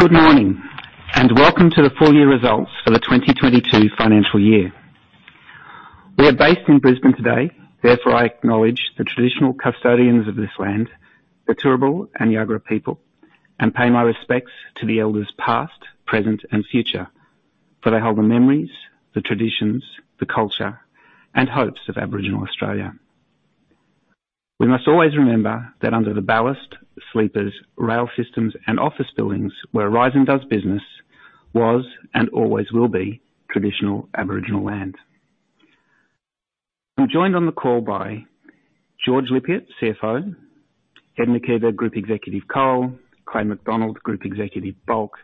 Good morning, and welcome to the Full Year Results for the 2022 Financial Year. We are based in Brisbane today. Therefore, I acknowledge the traditional custodians of this land, the Turrbal and Jagera people, and pay my respects to the elders past, present, and future, for they hold the memories, the traditions, the culture and hopes of Aboriginal Australia. We must always remember that under the ballast, sleepers, rail systems and office buildings where Aurizon does business was and always will be traditional Aboriginal land. I'm joined on the call by George Lippiatt, CFO, Edward McKeiver, Group Executive, Coal, Clayton McDonald, Group Executive, Bulk,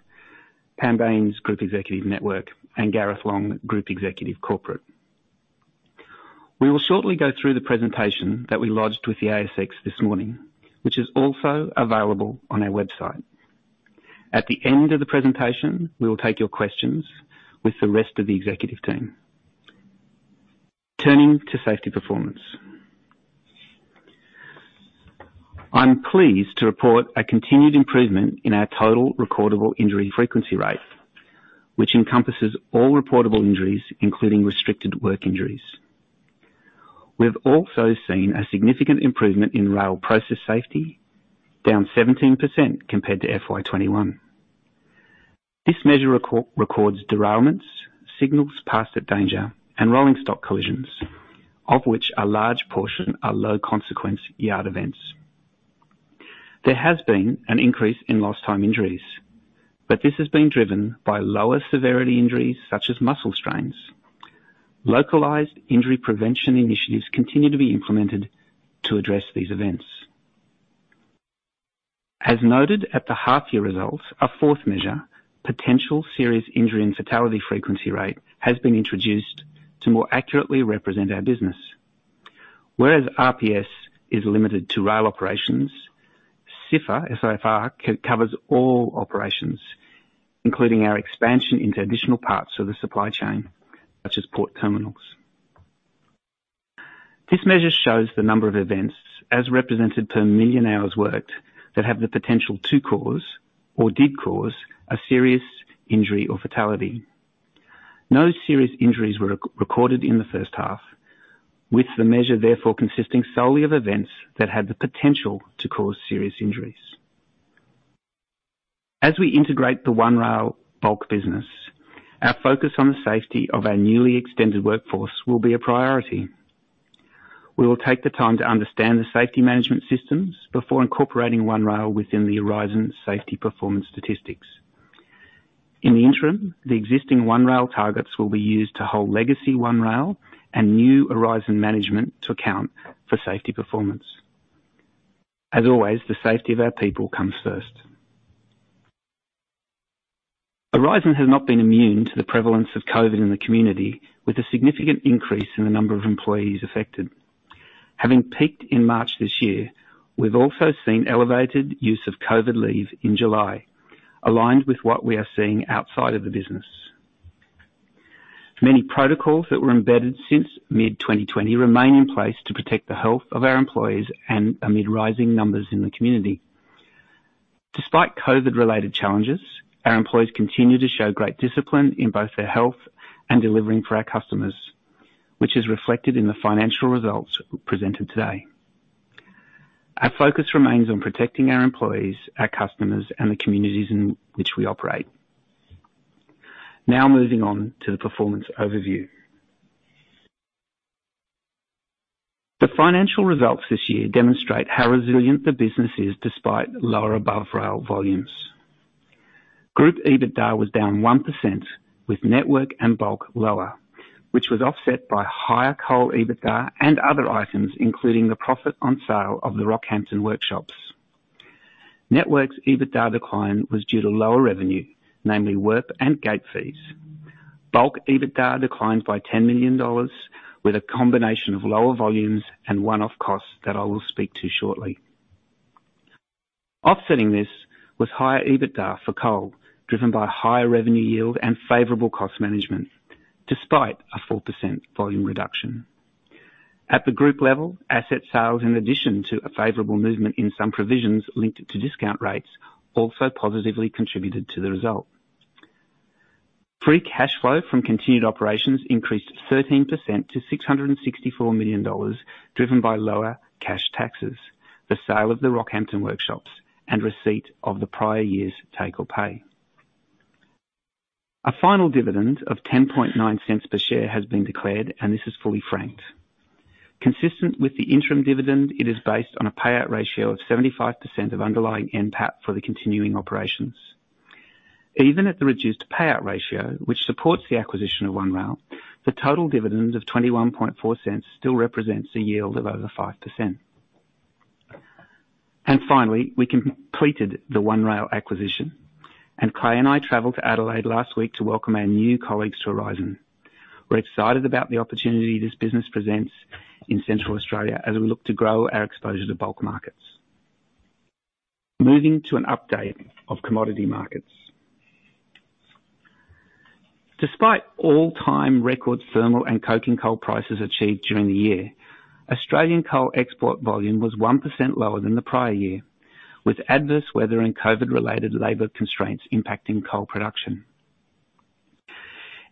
Pam Bains, Group Executive, Network, and Gareth Long, Group Executive Corporate. We will shortly go through the presentation that we lodged with the ASX this morning, which is also available on our website. At the end of the presentation, we will take your questions with the rest of the executive team. Turning to safety performance. I'm pleased to report a continued improvement in our total recordable injury frequency rate, which encompasses all reportable injuries, including restricted work injuries. We've also seen a significant improvement in rail process safety, down 17% compared to FY 2021. This measure records derailments, signals passed at danger, and rolling stock collisions, of which a large portion are low consequence yard events. There has been an increase in lost time injuries, but this has been driven by lower severity injuries such as muscle strains. Localized injury prevention initiatives continue to be implemented to address these events. As noted at the half year results, a fourth measure, potential serious injury and fatality frequency rate, has been introduced to more accurately represent our business. Whereas RPS is limited to rail operations, SIFR, S-I-F-R, covers all operations, including our expansion into additional parts of the supply chain, such as port terminals. This measure shows the number of events as represented per million hours worked that have the potential to cause or did cause a serious injury or fatality. No serious injuries were recorded in the first half, with the measure therefore consisting solely of events that had the potential to cause serious injuries. As we integrate the One Rail Bulk business, our focus on the safety of our newly extended workforce will be a priority. We will take the time to understand the safety management systems before incorporating One Rail within the Aurizon safety performance statistics. In the interim, the existing One Rail targets will be used to hold legacy One Rail and new Aurizon management to account for safety performance. As always, the safety of our people comes first. Aurizon has not been immune to the prevalence of COVID in the community, with a significant increase in the number of employees affected. Having peaked in March this year, we've also seen elevated use of COVID leave in July, aligned with what we are seeing outside of the business. Many protocols that were embedded since mid-2020 remain in place to protect the health of our employees and amid rising numbers in the community. Despite COVID-related challenges, our employees continue to show great discipline in both their health and delivering for our customers, which is reflected in the financial results presented today. Our focus remains on protecting our employees, our customers, and the communities in which we operate. Now moving on to the performance overview. The financial results this year demonstrate how resilient the business is despite lower above rail volumes. Group EBITDA was down 1%, with network and bulk lower, which was offset by higher coal EBITDA and other items, including the profit on sale of the Rockhampton workshops. Network's EBITDA decline was due to lower revenue, namely work and gate fees. Bulk EBITDA declined by 10 million dollars, with a combination of lower volumes and one-off costs that I will speak to shortly. Offsetting this was higher EBITDA for coal, driven by higher revenue yield and favorable cost management despite a 4% volume reduction. At the group level, asset sales in addition to a favorable movement in some provisions linked to discount rates also positively contributed to the result. Free cash flow from continued operations increased 13% to 664 million dollars, driven by lower cash taxes, the sale of the Rockhampton workshops, and receipt of the prior year's take or pay. A final dividend of 0.109 per share has been declared, and this is fully franked. Consistent with the interim dividend, it is based on a payout ratio of 75% of underlying NPAT for the continuing operations. Even at the reduced payout ratio, which supports the acquisition of One Rail, the total dividend of 0.214 still represents a yield of over 5%. Finally, we completed the One Rail acquisition, and Clay and I traveled to Adelaide last week to welcome our new colleagues to Aurizon. We're excited about the opportunity this business presents in Central Australia as we look to grow our exposure to bulk markets. Moving to an update of commodity markets. Despite all-time record thermal and coking coal prices achieved during the year, Australian coal export volume was 1% lower than the prior year, with adverse weather and COVID-related labor constraints impacting coal production.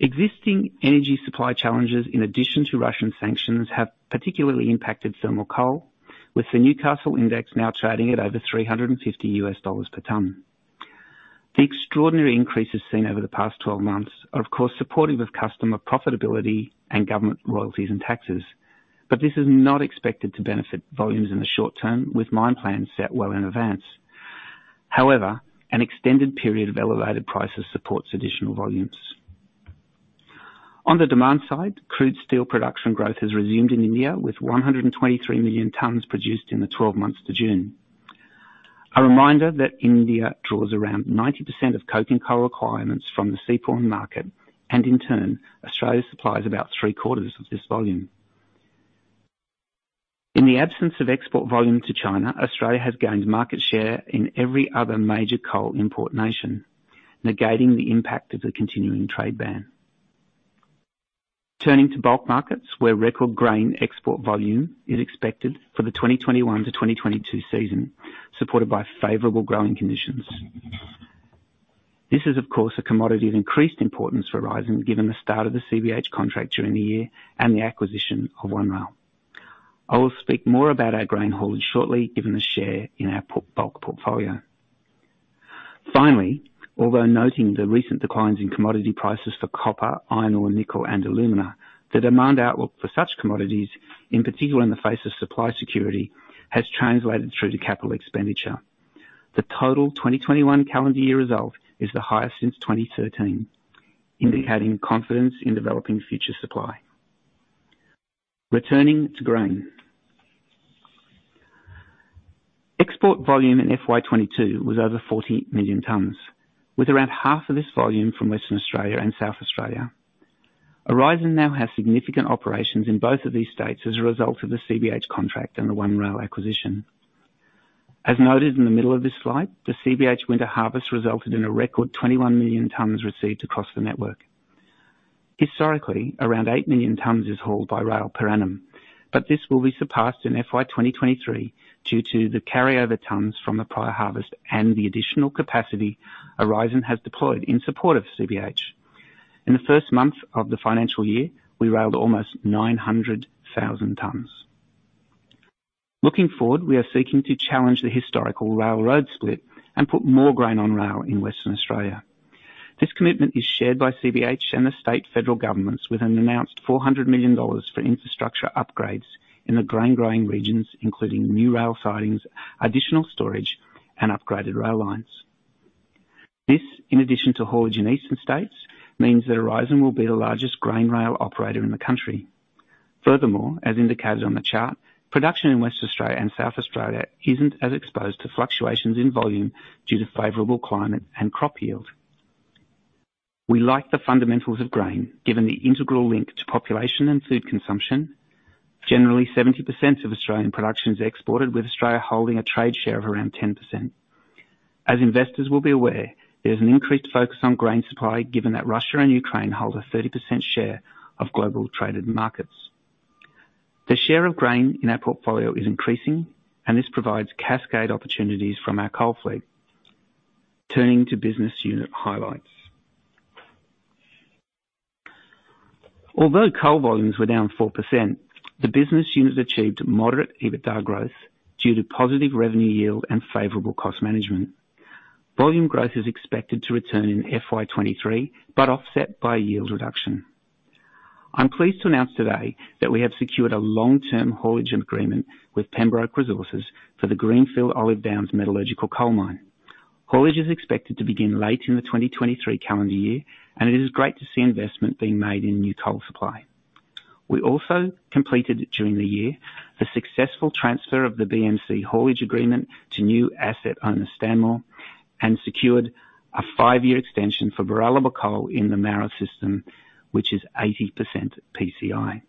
Existing energy supply challenges, in addition to Russian sanctions, have particularly impacted thermal coal, with the Newcastle Index now trading at over AUD 350 per ton. The extraordinary increases seen over the past 12 months are of course supportive of customer profitability and government royalties and taxes. This is not expected to benefit volumes in the short term with mine plans set well in advance. An extended period of elevated prices supports additional volumes. On the demand side, crude steel production growth has resumed in India with 123 million tons produced in the 12 months to June. A reminder that India draws around 90% of coking coal requirements from the seaborne market, and in turn, Australia supplies about 3/4 of this volume. In the absence of export volume to China, Australia has gained market share in every other major coal import nation, negating the impact of the continuing trade ban. Turning to bulk markets, where record grain export volume is expected for the 2021-2022 season, supported by favorable growing conditions. This is, of course, a commodity of increased importance for Aurizon, given the start of the CBH contract during the year and the acquisition of One Rail. I will speak more about our grain haulage shortly, given the share in our bulk portfolio. Finally, although noting the recent declines in commodity prices for copper, iron ore, nickel and alumina, the demand outlook for such commodities, in particular in the face of supply security, has translated through to capital expenditure. The total 2021 calendar year result is the highest since 2013, indicating confidence in developing future supply. Returning to grain. Export volume in FY 2022 was over 40 million tons, with around half of this volume from Western Australia and South Australia. Aurizon now has significant operations in both of these states as a result of the CBH contract and the One Rail acquisition. As noted in the middle of this slide, the CBH winter harvest resulted in a record 21 million tons received across the network. Historically, around 8 million tons is hauled by rail per annum, but this will be surpassed in FY 2023 due to the carryover tons from the prior harvest and the additional capacity Aurizon has deployed in support of CBH. In the first month of the financial year, we railed almost 900,000 tons. Looking forward, we are seeking to challenge the historical rail road split and put more grain on rail in Western Australia. This commitment is shared by CBH and the state and federal governments, with an announced 400 million dollars for infrastructure upgrades in the grain growing regions, including new rail sidings, additional storage and upgraded rail lines. This, in addition to haulage in eastern states, means that Aurizon will be the largest grain rail operator in the country. Furthermore, as indicated on the chart, production in Western Australia and South Australia isn't as exposed to fluctuations in volume due to favorable climate and crop yield. We like the fundamentals of grain, given the integral link to population and food consumption. Generally, 70% of Australian production is exported, with Australia holding a trade share of around 10%. As investors will be aware, there's an increased focus on grain supply, given that Russia and Ukraine hold a 30% share of global traded markets. The share of grain in our portfolio is increasing, and this provides cascade opportunities from our coal fleet. Turning to business unit highlights. Although coal volumes were down 4%, the business units achieved moderate EBITDA growth due to positive revenue yield and favorable cost management. Volume growth is expected to return in FY 2023, but offset by yield reduction. I'm pleased to announce today that we have secured a long-term haulage agreement with Pembroke Resources for the greenfield Olive Downs metallurgical coal mine. Haulage is expected to begin late in the 2023 calendar year, and it is great to see investment being made in new coal supply. We also completed during the year the successful transfer of the BMC haulage agreement to new asset owner, Stanmore, and secured a five-year extension for Baralaba coal in the Moura System, which is 80% PCI.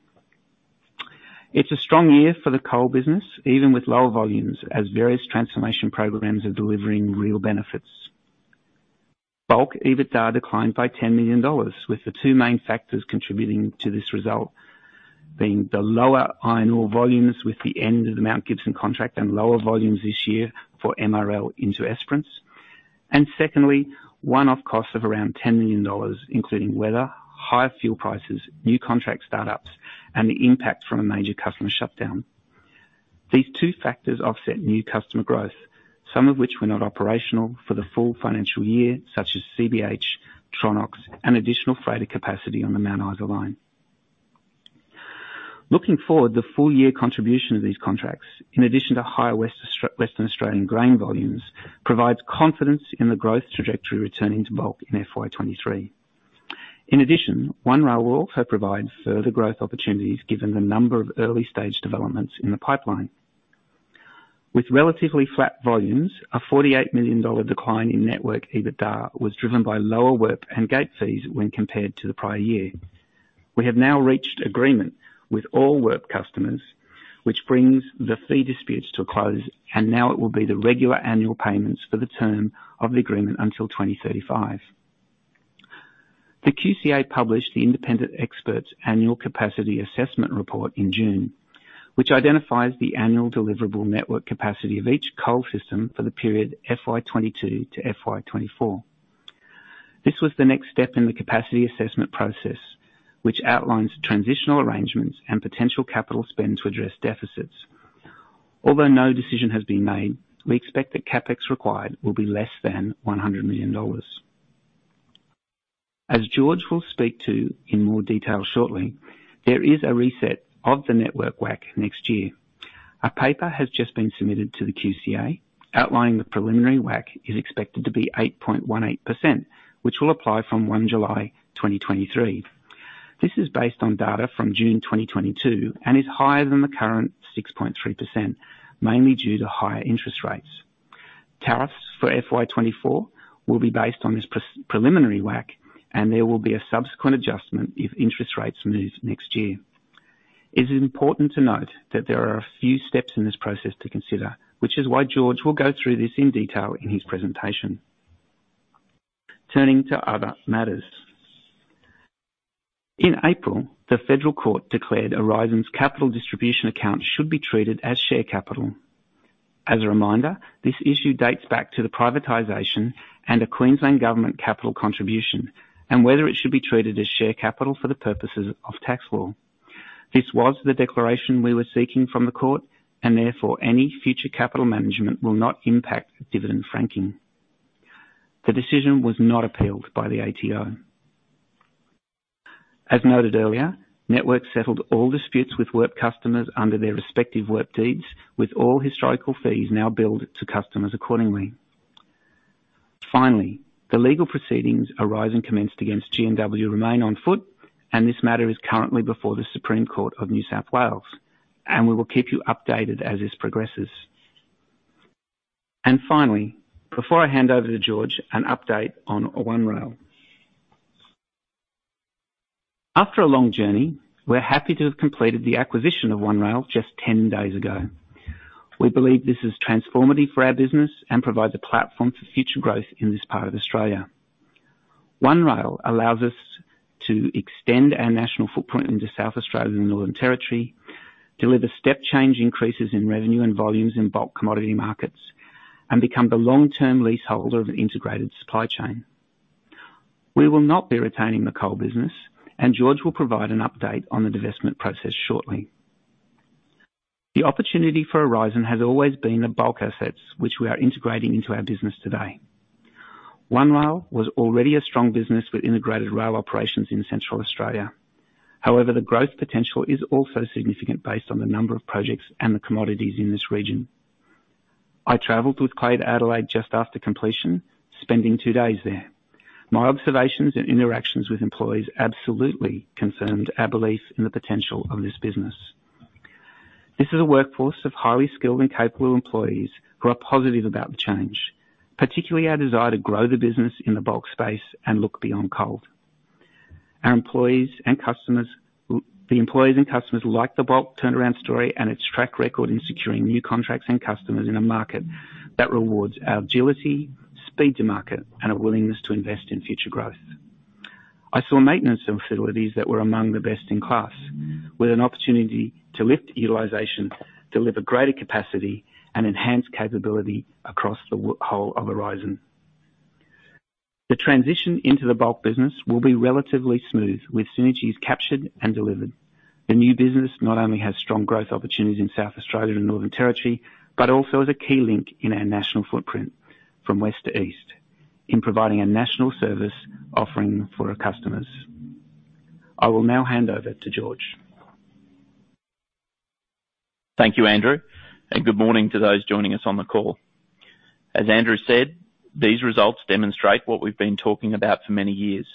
It's a strong year for the coal business, even with lower volumes as various transformation programs are delivering real benefits. Bulk EBITDA declined by 10 million dollars, with the two main factors contributing to this result being the lower iron ore volumes with the end of the Mount Gibson contract and lower volumes this year for MRL into Esperance. Secondly, one-off costs of around 10 million dollars, including weather, higher fuel prices, new contract startups, and the impact from a major customer shutdown. These two factors offset new customer growth, some of which were not operational for the full financial year, such as CBH, Tronox and additional freighter capacity on the Mount Isa Line. Looking forward, the full year contribution of these contracts, in addition to higher Western Australian grain volumes, provides confidence in the growth trajectory returning to bulk in FY 2023. In addition, One Rail will also provide further growth opportunities given the number of early-stage developments in the pipeline. With relatively flat volumes, an 48 million dollar decline in network EBITDA was driven by lower work and gate fees when compared to the prior year. We have now reached agreement with all WIRP customers, which brings the fee disputes to a close, and now it will be the regular annual payments for the term of the agreement until 2035. The QCA published the independent expert's annual capacity assessment report in June, which identifies the annual deliverable network capacity of each coal system for the period FY 2022 to FY 2024. This was the next step in the capacity assessment process, which outlines transitional arrangements and potential capital spend to address deficits. Although no decision has been made, we expect the CapEx required will be less than 100 million dollars. As George will speak to in more detail shortly, there is a reset of the network WACC next year. A paper has just been submitted to the QCA outlining the preliminary WACC is expected to be 8.18%, which will apply from July 1 2023. This is based on data from June 2022 and is higher than the current 6.3%, mainly due to higher interest rates. Tariffs for FY 2024 will be based on this preliminary WACC, and there will be a subsequent adjustment if interest rates move next year. It is important to note that there are a few steps in this process to consider, which is why George will go through this in detail in his presentation. Turning to other matters. In April, the Federal Court declared Aurizon's capital distribution account should be treated as share capital. As a reminder, this issue dates back to the privatization and a Queensland Government capital contribution and whether it should be treated as share capital for the purposes of tax law. This was the declaration we were seeking from the court, and therefore any future capital management will not impact the dividend franking. The decision was not appealed by the ATO. As noted earlier, network settled all disputes with WIRP customers under their respective WIRP deeds, with all historical fees now billed to customers accordingly. Finally, the legal proceedings Aurizon commenced against GWA remain on foot, and this matter is currently before the Supreme Court of New South Wales, and we will keep you updated as this progresses. Finally, before I hand over to George, an update on One Rail. After a long journey, we're happy to have completed the acquisition of One Rail just 10 days ago. We believe this is transformative for our business and provides a platform for future growth in this part of Australia. One Rail allows us to extend our national footprint into South Australia and Northern Territory, deliver step change increases in revenue and volumes in bulk commodity markets, and become the long-term leaseholder of an integrated supply chain. We will not be retaining the coal business, and George will provide an update on the divestment process shortly. The opportunity for Aurizon has always been the bulk assets which we are integrating into our business today. One Rail was already a strong business with integrated rail operations in Central Australia. However, the growth potential is also significant based on the number of projects and the commodities in this region. I traveled with Clay to Adelaide just after completion, spending two days there. My observations and interactions with employees absolutely confirmed our belief in the potential of this business. This is a workforce of highly skilled and capable employees who are positive about the change, particularly our desire to grow the business in the bulk space and look beyond coal. Our employees and customers like the bulk turnaround story and its track record in securing new contracts and customers in a market that rewards our agility, speed to market, and a willingness to invest in future growth. I saw maintenance facilities that were among the best in class, with an opportunity to lift utilization, deliver greater capacity, and enhance capability across the whole of Aurizon. The transition into the bulk business will be relatively smooth, with synergies captured and delivered. The new business not only has strong growth opportunities in South Australia and Northern Territory, but also is a key link in our national footprint from west to east in providing a national service offering for our customers. I will now hand over to George. Thank you, Andrew, and good morning to those joining us on the call. As Andrew said, these results demonstrate what we've been talking about for many years.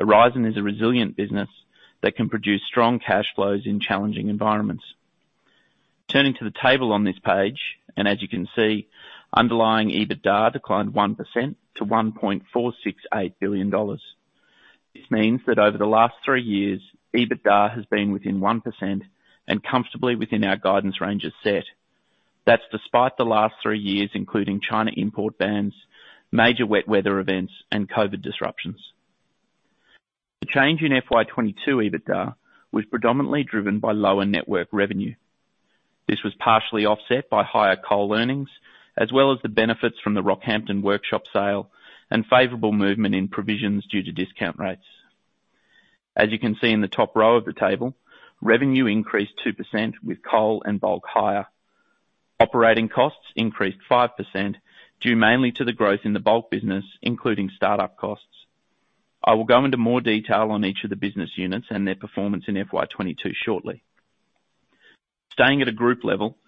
Aurizon is a resilient business that can produce strong cash flows in challenging environments. Turning to the table on this page, and as you can see, underlying EBITDA declined 1% to 1.468 billion dollars. This means that over the last three years, EBITDA has been within 1% and comfortably within our guidance ranges set. That's despite the last three years, including China import bans, major wet weather events, and COVID disruptions. The change in FY 2022 EBITDA was predominantly driven by lower network revenue. This was partially offset by higher coal earnings, as well as the benefits from the Rockhampton workshop sale and favorable movement in provisions due to discount rates. As you can see in the top row of the table, revenue increased 2% with coal and bulk higher. Operating costs increased 5%, due mainly to the growth in the bulk business, including start-up costs. I will go into more detail on each of the business units and their performance in FY 2022 shortly. Staying at a group level,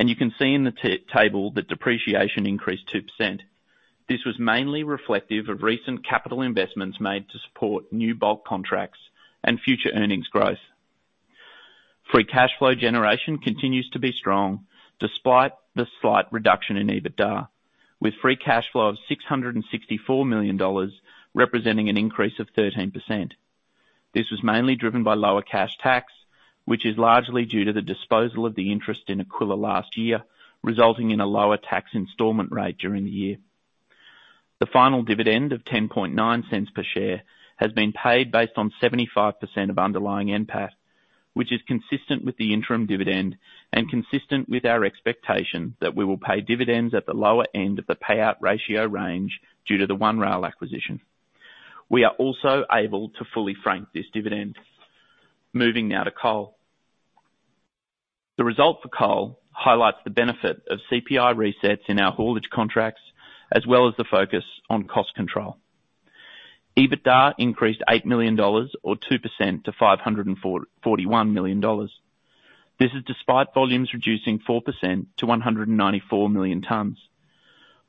you can see in the table that depreciation increased 2%. This was mainly reflective of recent capital investments made to support new bulk contracts and future earnings growth. Free cash flow generation continues to be strong despite the slight reduction in EBITDA, with free cash flow of 664 million dollars, representing an increase of 13%. This was mainly driven by lower cash tax, which is largely due to the disposal of the interest in Aquila last year, resulting in a lower tax installment rate during the year. The final dividend of 0.109 per share has been paid based on 75% of underlying NPAT, which is consistent with the interim dividend and consistent with our expectation that we will pay dividends at the lower end of the payout ratio range due to the One Rail acquisition. We are also able to fully frank this dividend. Moving now to coal. The result for coal highlights the benefit of CPI resets in our haulage contracts, as well as the focus on cost control. EBITDA increased 8 million dollars or 2% to 541 million dollars. This is despite volumes reducing 4% to 194 million tons.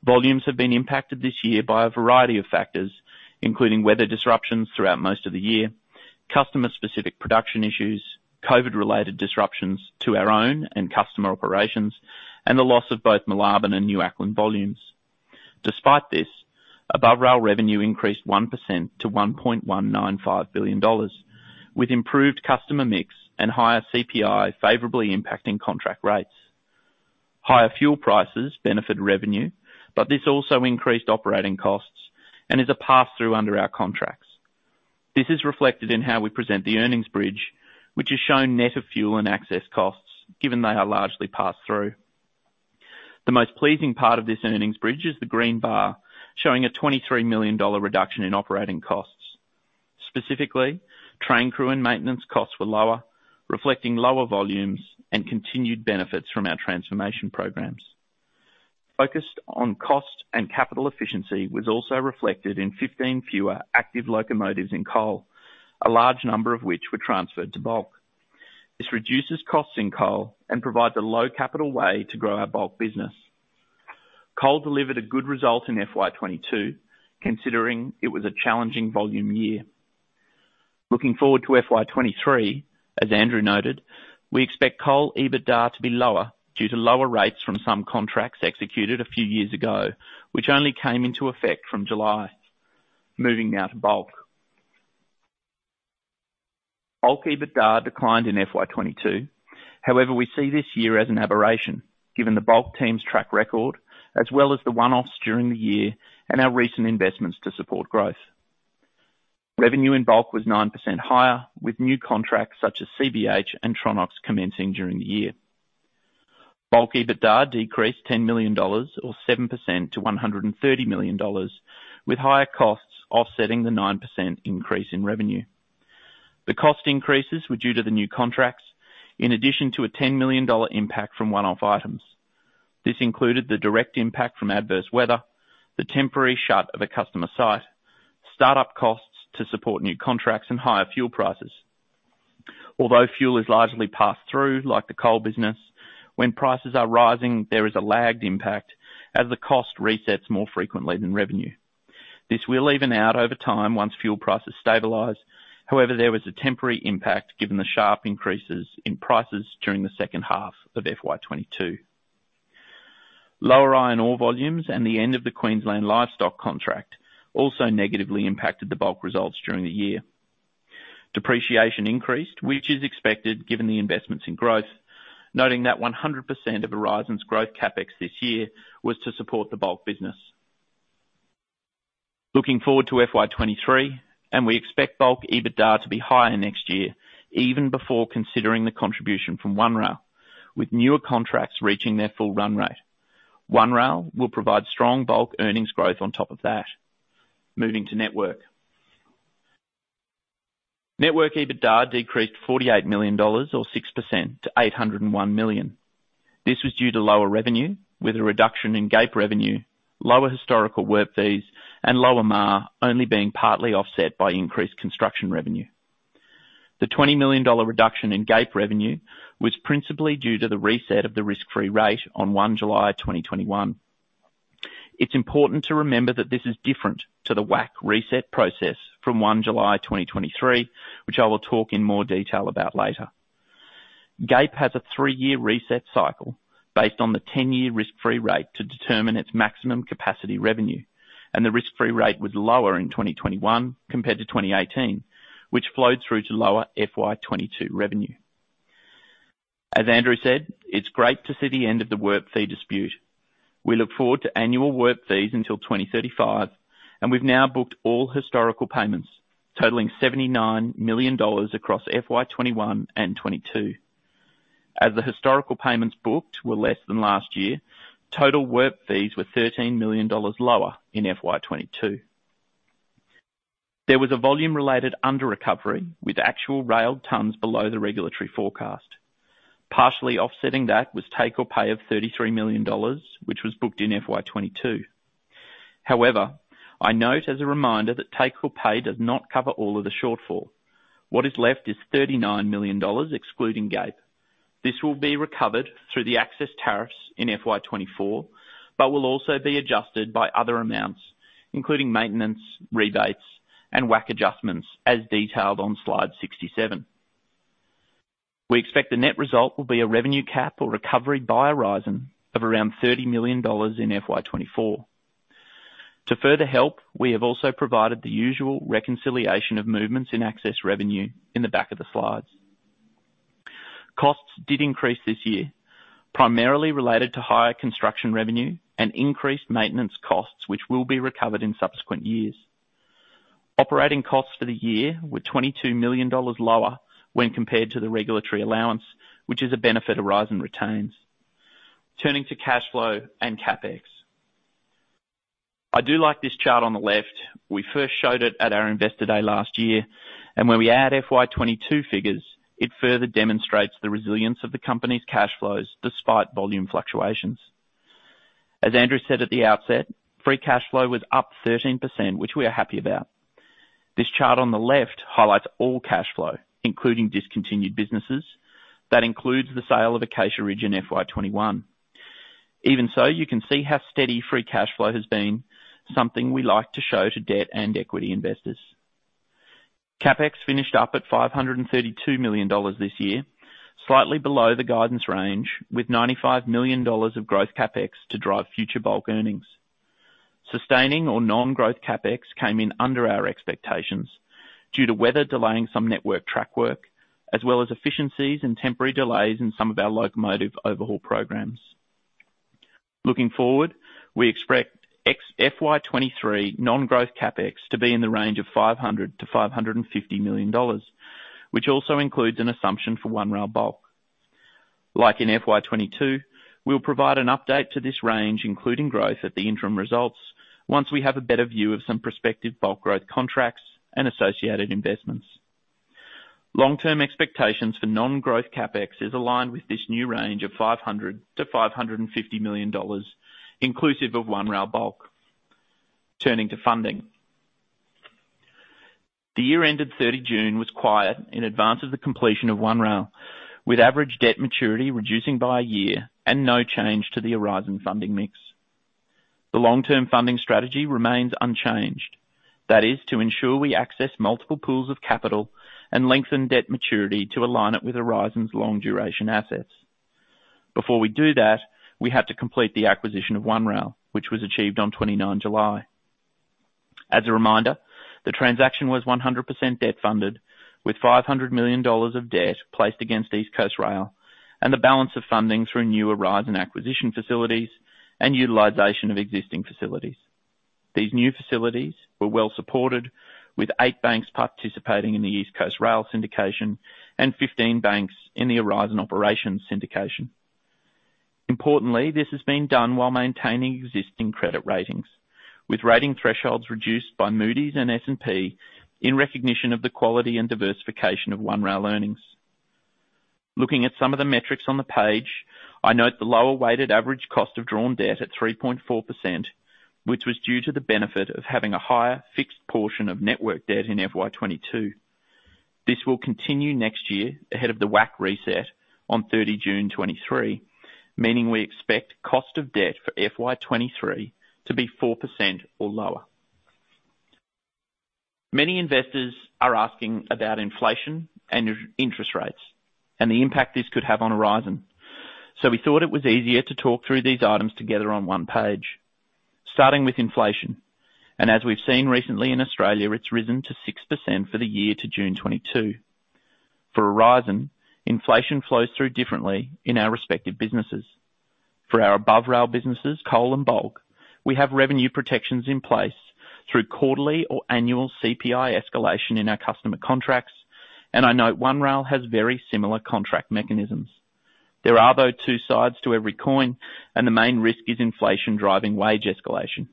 Volumes have been impacted this year by a variety of factors, including weather disruptions throughout most of the year, customer-specific production issues, COVID-related disruptions to our own and customer operations, and the loss of both Moolarben and New Acland volumes. Despite this, above rail revenue increased 1% to 1.195 billion dollars, with improved customer mix and higher CPI favorably impacting contract rates. Higher fuel prices benefit revenue, but this also increased operating costs and is a pass-through under our contracts. This is reflected in how we present the earnings bridge, which has shown net of fuel and access costs, given they are largely passed through. The most pleasing part of this earnings bridge is the green bar showing a 23 million dollar reduction in operating costs. Specifically, train crew and maintenance costs were lower, reflecting lower volumes and continued benefits from our transformation programs. Focused on cost and capital efficiency was also reflected in 15 fewer active locomotives in coal, a large number of which were transferred to bulk. This reduces costs in coal and provides a low capital way to grow our bulk business. Coal delivered a good result in FY 2022, considering it was a challenging volume year. Looking forward to FY 2023, as Andrew noted, we expect coal EBITDA to be lower due to lower rates from some contracts executed a few years ago, which only came into effect from July. Moving now to bulk. Bulk EBITDA declined in FY 2022. However, we see this year as an aberration, given the bulk team's track record, as well as the one-offs during the year and our recent investments to support growth. Revenue in bulk was 9% higher, with new contracts such as CBH and Tronox commencing during the year. Bulk EBITDA decreased 10 million dollars or 7% to 130 million dollars, with higher costs offsetting the 9% increase in revenue. The cost increases were due to the new contracts, in addition to a 10 million dollar impact from one-off items. This included the direct impact from adverse weather, the temporary shut of a customer site, start-up costs to support new contracts and higher fuel prices. Although fuel is largely passed through like the coal business, when prices are rising, there is a lagged impact as the cost resets more frequently than revenue. This will even out over time once fuel prices stabilize. However, there was a temporary impact given the sharp increases in prices during the second half of FY 2022. Lower iron ore volumes and the end of the Queensland Livestock contract also negatively impacted the bulk results during the year. Depreciation increased, which is expected given the investments in growth, noting that 100% of Aurizon's growth CapEx this year was to support the bulk business. Looking forward to FY 2023, we expect bulk EBITDA to be higher next year, even before considering the contribution from One Rail, with newer contracts reaching their full run rate. One Rail will provide strong bulk earnings growth on top of that. Moving to network. Network EBITDA decreased 48 million dollars or 6% to 801 million. This was due to lower revenue with a reduction in GAPE revenue, lower historical work fees and lower MAR only being partly offset by increased construction revenue. The 20 million dollar reduction in GAPE revenue was principally due to the reset of the risk-free rate on July 1 2021. It's important to remember that this is different to the WACC reset process from July 1 2023, which I will talk in more detail about later. GAPE has a three-year reset cycle based on the ten-year risk-free rate to determine its maximum capacity revenue, and the risk-free rate was lower in 2021 compared to 2018, which flowed through to lower FY 2022 revenue. As Andrew said, it's great to see the end of the work fee dispute. We look forward to annual work fees until 2035, and we've now booked all historical payments totaling 79 million dollars across FY 2021 and 2022. As the historical payments booked were less than last year, total work fees were 13 million dollars lower in FY 2022. There was a volume-related under recovery, with actual railed tonnes below the regulatory forecast. Partially offsetting that was take-or-pay of 33 million dollars, which was booked in FY 2022. However, I note as a reminder that take or pay does not cover all of the shortfall. What is left is 39 million dollars excluding GAPE. This will be recovered through the access tariffs in FY 2024, but will also be adjusted by other amounts, including maintenance, rebates and WACC adjustments, as detailed on slide 67. We expect the net result will be a revenue cap or recovery by Aurizon of around AUD 30 million in FY 2024. To further help, we have also provided the usual reconciliation of movements in access revenue in the back of the slides. Costs did increase this year, primarily related to higher construction revenue and increased maintenance costs, which will be recovered in subsequent years. Operating costs for the year were 22 million dollars lower when compared to the regulatory allowance, which is a benefit Aurizon retains. Turning to cash flow and CapEx. I do like this chart on the left. We first showed it at our investor day last year, and when we add FY 2022 figures, it further demonstrates the resilience of the company's cash flows despite volume fluctuations. As Andrew said at the outset, free cash flow was up 13%, which we are happy about. This chart on the left highlights all cash flow, including discontinued businesses. That includes the sale of Acacia Ridge in FY 2021. Even so, you can see how steady free cash flow has been, something we like to show to debt and equity investors. CapEx finished up at 532 million dollars this year, slightly below the guidance range with 95 million dollars of growth CapEx to drive future bulk earnings. Sustaining or non-growth CapEx came in under our expectations due to weather delaying some network track work, as well as efficiencies and temporary delays in some of our locomotive overhaul programs. Looking forward, we expect FY 2023 non-growth CapEx to be in the range of 500 million-550 million dollars, which also includes an assumption for One Rail Bulk. Like in FY 2022, we'll provide an update to this range, including growth at the interim results once we have a better view of some prospective bulk growth contracts and associated investments. Long-term expectations for non-growth CapEx is aligned with this new range of 500 million-550 million dollars, inclusive of One Rail Bulk. Turning to funding. The year-ended June 30 was quiet in advance of the completion of One Rail, with average debt maturity reducing by a year and no change to the Aurizon funding mix. The long-term funding strategy remains unchanged. That is to ensure we access multiple pools of capital and lengthen debt maturity to align it with Aurizon's long duration assets. Before we do that, we have to complete the acquisition of One Rail, which was achieved on July 29. As a reminder, the transaction was 100% debt funded, with 500 million dollars of debt placed against East Coast Rail and the balance of funding through new Aurizon acquisition facilities and utilization of existing facilities. These new facilities were well supported, with eight banks participating in the East Coast Rail syndication and 15 banks in the Aurizon Operations syndication. Importantly, this has been done while maintaining existing credit ratings, with rating thresholds reduced by Moody's and S&P in recognition of the quality and diversification of One Rail earnings. Looking at some of the metrics on the page, I note the lower weighted average cost of drawn debt at 3.4%, which was due to the benefit of having a higher fixed portion of network debt in FY 2022. This will continue next year ahead of the WACC reset on June 30 2023, meaning we expect cost of debt for FY 2023 to be 4% or lower. Many investors are asking about inflation and rising interest rates and the impact this could have on Aurizon. We thought it was easier to talk through these items together on one page, starting with inflation. As we've seen recently in Australia, it's risen to 6% for the year to June 2022. For Aurizon, inflation flows through differently in our respective businesses. For our above rail businesses, coal and bulk, we have revenue protections in place through quarterly or annual CPI escalation in our customer contracts, and I note One Rail has very similar contract mechanisms. There are, though, two sides to every coin, and the main risk is inflation driving wage escalation.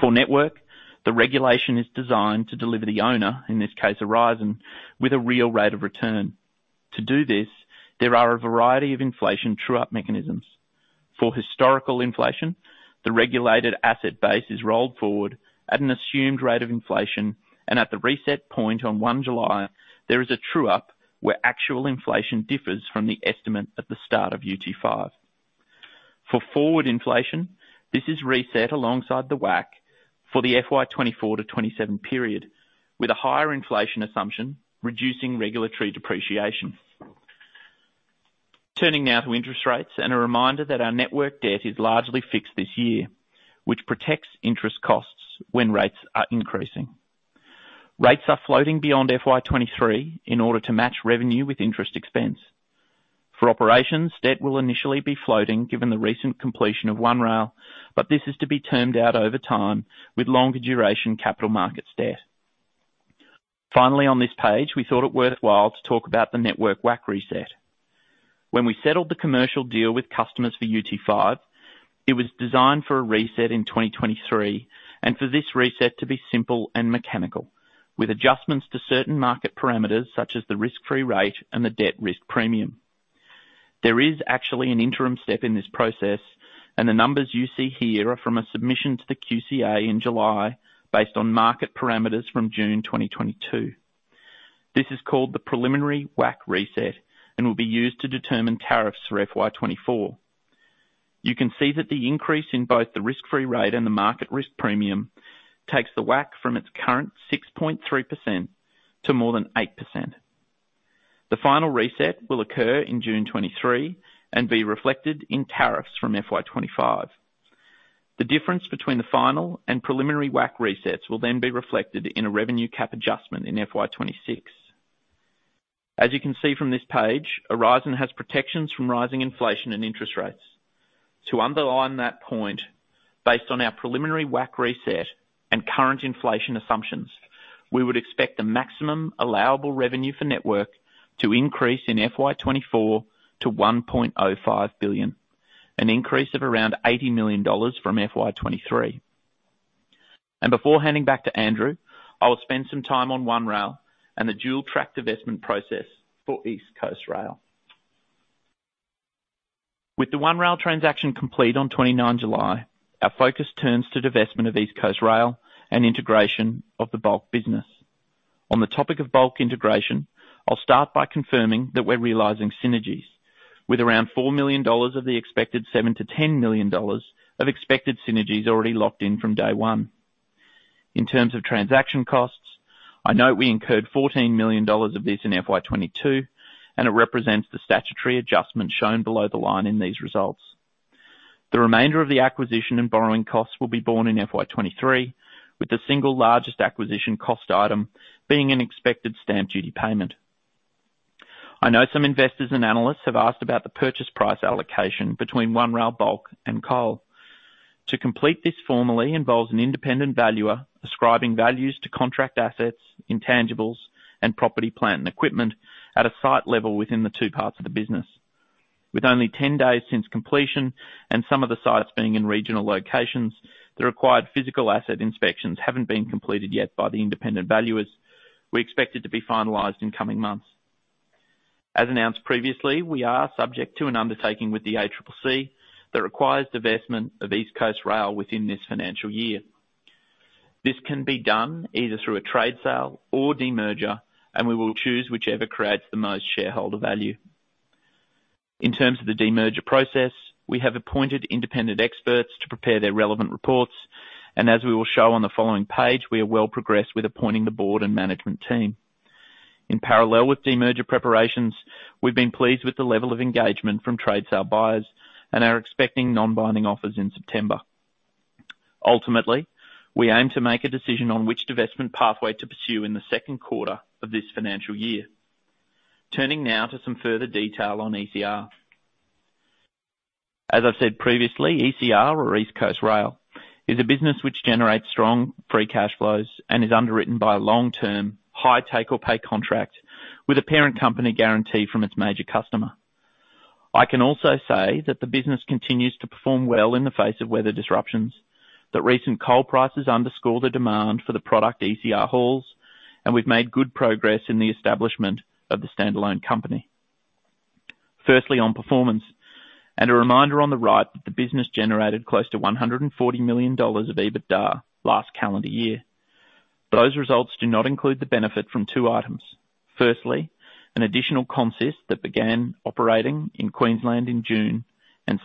For network, the regulation is designed to deliver the owner, in this case Aurizon, with a real rate of return. To do this, there are a variety of inflation true-up mechanisms. For historical inflation, the regulated asset base is rolled forward at an assumed rate of inflation, and at the reset point on July 1, there is a true up where actual inflation differs from the estimate at the start of UT5. For forward inflation, this is reset alongside the WACC for the FY 2024-2027 period with a higher inflation assumption reducing regulatory depreciation. Turning now to interest rates and a reminder that our network debt is largely fixed this year, which protects interest costs when rates are increasing. Rates are floating beyond FY 2023 in order to match revenue with interest expense. For operations, debt will initially be floating given the recent completion of One Rail, but this is to be termed out over time with longer duration capital markets debt. Finally, on this page, we thought it worthwhile to talk about the network WACC reset. When we settled the commercial deal with customers for UT5, it was designed for a reset in 2023 and for this reset to be simple and mechanical, with adjustments to certain market parameters such as the risk-free rate and the debt risk premium. There is actually an interim step in this process, and the numbers you see here are from a submission to the QCA in July based on market parameters from June 2022. This is called the preliminary WACC reset and will be used to determine tariffs for FY 2024. You can see that the increase in both the risk-free rate and the market risk premium takes the WACC from its current 6.3% to more than 8%. The final reset will occur in June 2023 and be reflected in tariffs from FY 2025. The difference between the final and preliminary WACC resets will then be reflected in a revenue cap adjustment in FY 2026. As you can see from this page, Aurizon has protections from rising inflation and interest rates. To underline that point, based on our preliminary WACC reset and current inflation assumptions, we would expect the maximum allowable revenue for network to increase in FY 2024 to AUD 1.05 billion, an increase of around AUD 80 million from FY 2023. Before handing back to Andrew, I will spend some time on One Rail and the dual-track divestment process for East Coast Rail. With the One Rail transaction complete on July 29, our focus turns to divestment of East Coast Rail and integration of the Bulk business. On the topic of Bulk integration, I'll start by confirming that we're realizing synergies with around 4 million dollars of the expected 7 million-10 million dollars of expected synergies already locked in from day one. In terms of transaction costs, I know we incurred 14 million dollars of this in FY 2022, and it represents the statutory adjustment shown below the line in these results. The remainder of the acquisition and borrowing costs will be borne in FY 2023, with the single largest acquisition cost item being an expected stamp duty payment. I know some investors and analysts have asked about the purchase price allocation between One Rail Bulk and Coal. To complete this formally involves an independent valuer ascribing values to contract assets, intangibles, and property, plant and equipment at a site level within the two parts of the business. With only 10 days since completion and some of the sites being in regional locations, the required physical asset inspections haven't been completed yet by the independent valuers. We expect it to be finalized in coming months. As announced previously, we are subject to an undertaking with the ACCC that requires divestment of East Coast Rail within this financial year. This can be done either through a trade sale or demerger, and we will choose whichever creates the most shareholder value. In terms of the demerger process, we have appointed independent experts to prepare their relevant reports, and as we will show on the following page, we are well progressed with appointing the board and management team. In parallel with demerger preparations, we've been pleased with the level of engagement from trade sale buyers and are expecting non-binding offers in September. Ultimately, we aim to make a decision on which divestment pathway to pursue in the second quarter of this financial year. Turning now to some further detail on ECR. As I said previously, ECR or East Coast Rail is a business which generates strong free cash flows and is underwritten by a long-term high take-or-pay contract with a parent company guarantee from its major customer. I can also say that the business continues to perform well in the face of weather disruptions. The recent coal prices underscore the demand for the product ECR hauls, and we've made good progress in the establishment of the standalone company. Firstly, on performance, and a reminder on the right that the business generated close to 140 million dollars of EBITDA last calendar year. Those results do not include the benefit from two items. Firstly, an additional consist that began operating in Queensland in June.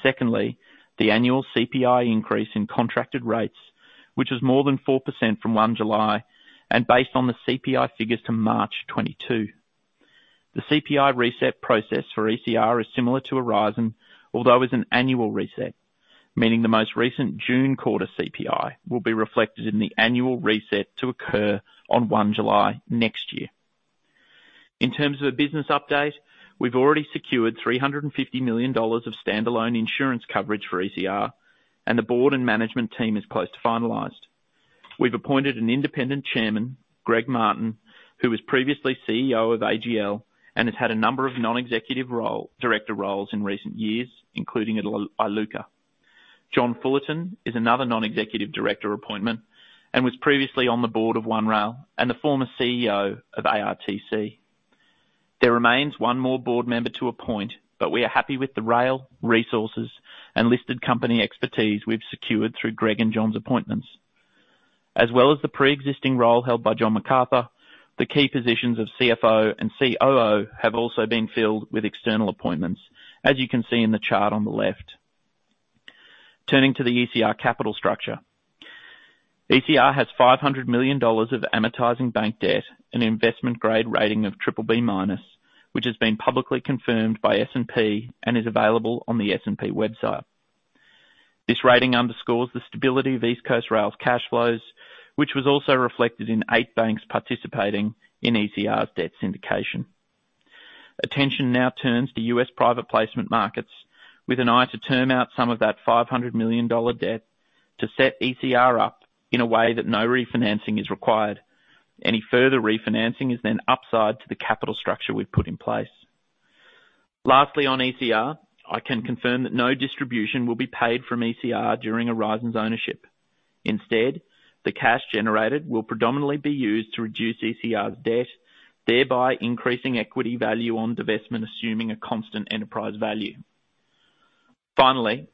Secondly, the annual CPI increase in contracted rates, which is more than 4% from July 1 and based on the CPI figures to March 2022. The CPI reset process for ECR is similar to Aurizon, although it is an annual reset, meaning the most recent June quarter CPI will be reflected in the annual reset to occur on July 1 next year. In terms of a business update, we've already secured 350 million dollars of standalone insurance coverage for ECR and the board and management team is close to finalized. We've appointed an independent chairman, Greg Martin, who was previously CEO of AGL and has had a number of non-executive director roles in recent years, including at Iluka. John Fullerton is another non-executive director appointment and was previously on the board of One Rail and the former CEO of ARTC. There remains one more board member to appoint, but we are happy with the rail, resources, and listed company expertise we've secured through Greg and John's appointments. As well as the pre-existing role held by John MacArthur, the key positions of CFO and COO have also been filled with external appointments, as you can see in the chart on the left. Turning to the ECR capital structure. ECR has 500 million dollars of amortizing bank debt and investment-grade rating of BBB-, which has been publicly confirmed by S&P and is available on the S&P website. This rating underscores the stability of East Coast Rail's cash flows, which was also reflected in eight banks participating in ECR's debt syndication. Attention now turns to U.S. private placement markets with an eye to term out some of that 500 million dollar debt to set ECR up in a way that no refinancing is required. Any further refinancing is then upside to the capital structure we've put in place. Lastly, on ECR, I can confirm that no distribution will be paid from ECR during Aurizon's ownership. Instead, the cash generated will predominantly be used to reduce ECR's debt, thereby increasing equity value on divestment, assuming a constant enterprise value. Finally,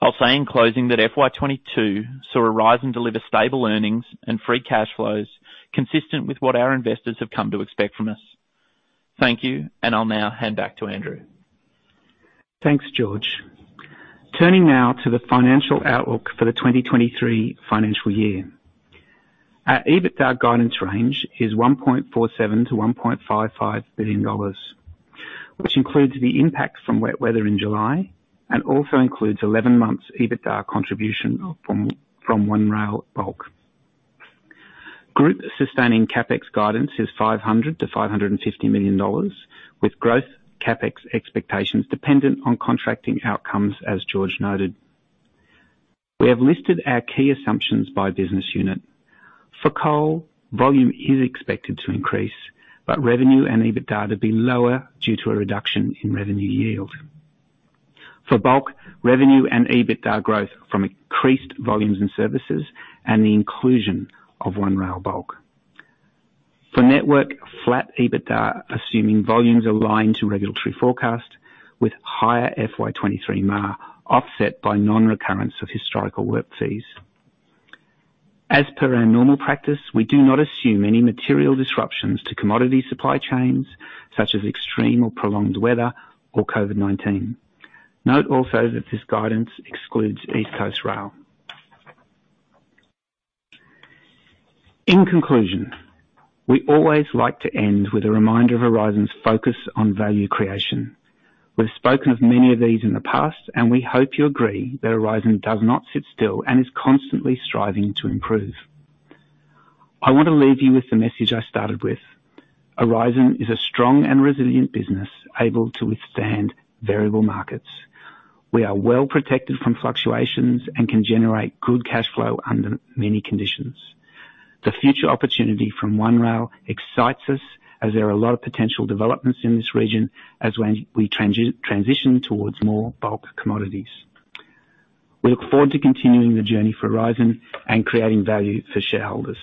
I'll say in closing that FY 2022 saw Aurizon deliver stable earnings and free cash flows consistent with what our investors have come to expect from us. Thank you, and I'll now hand back to Andrew. Thanks, George. Turning now to the financial outlook for the 2023 financial year. Our EBITDA guidance range is 1.47 billion-1.55 billion dollars, which includes the impacts from wet weather in July and also includes 11 months EBITDA contribution from One Rail Bulk. Group sustaining CapEx guidance is 500 million-550 million dollars, with growth CapEx expectations dependent on contracting outcomes, as George noted. We have listed our key assumptions by business unit. For coal, volume is expected to increase, but revenue and EBITDA to be lower due to a reduction in revenue yield. For bulk, revenue and EBITDA growth from increased volumes in services and the inclusion of One Rail Bulk. For network, flat EBITDA, assuming volumes align to regulatory forecast with higher FY 2023 MAR offset by non-recurrence of historical work fees. As per our normal practice, we do not assume any material disruptions to commodity supply chains such as extreme or prolonged weather or COVID-19. Note also that this guidance excludes East Coast Rail. In conclusion, we always like to end with a reminder of Aurizon's focus on value creation. We've spoken of many of these in the past, and we hope you agree that Aurizon does not sit still and is constantly striving to improve. I want to leave you with the message I started with. Aurizon is a strong and resilient business able to withstand variable markets. We are well protected from fluctuations and can generate good cash flow under many conditions. The future opportunity from One Rail excites us as there are a lot of potential developments in this region as when we transition towards more bulk commodities. We look forward to continuing the journey for Aurizon and creating value for shareholders.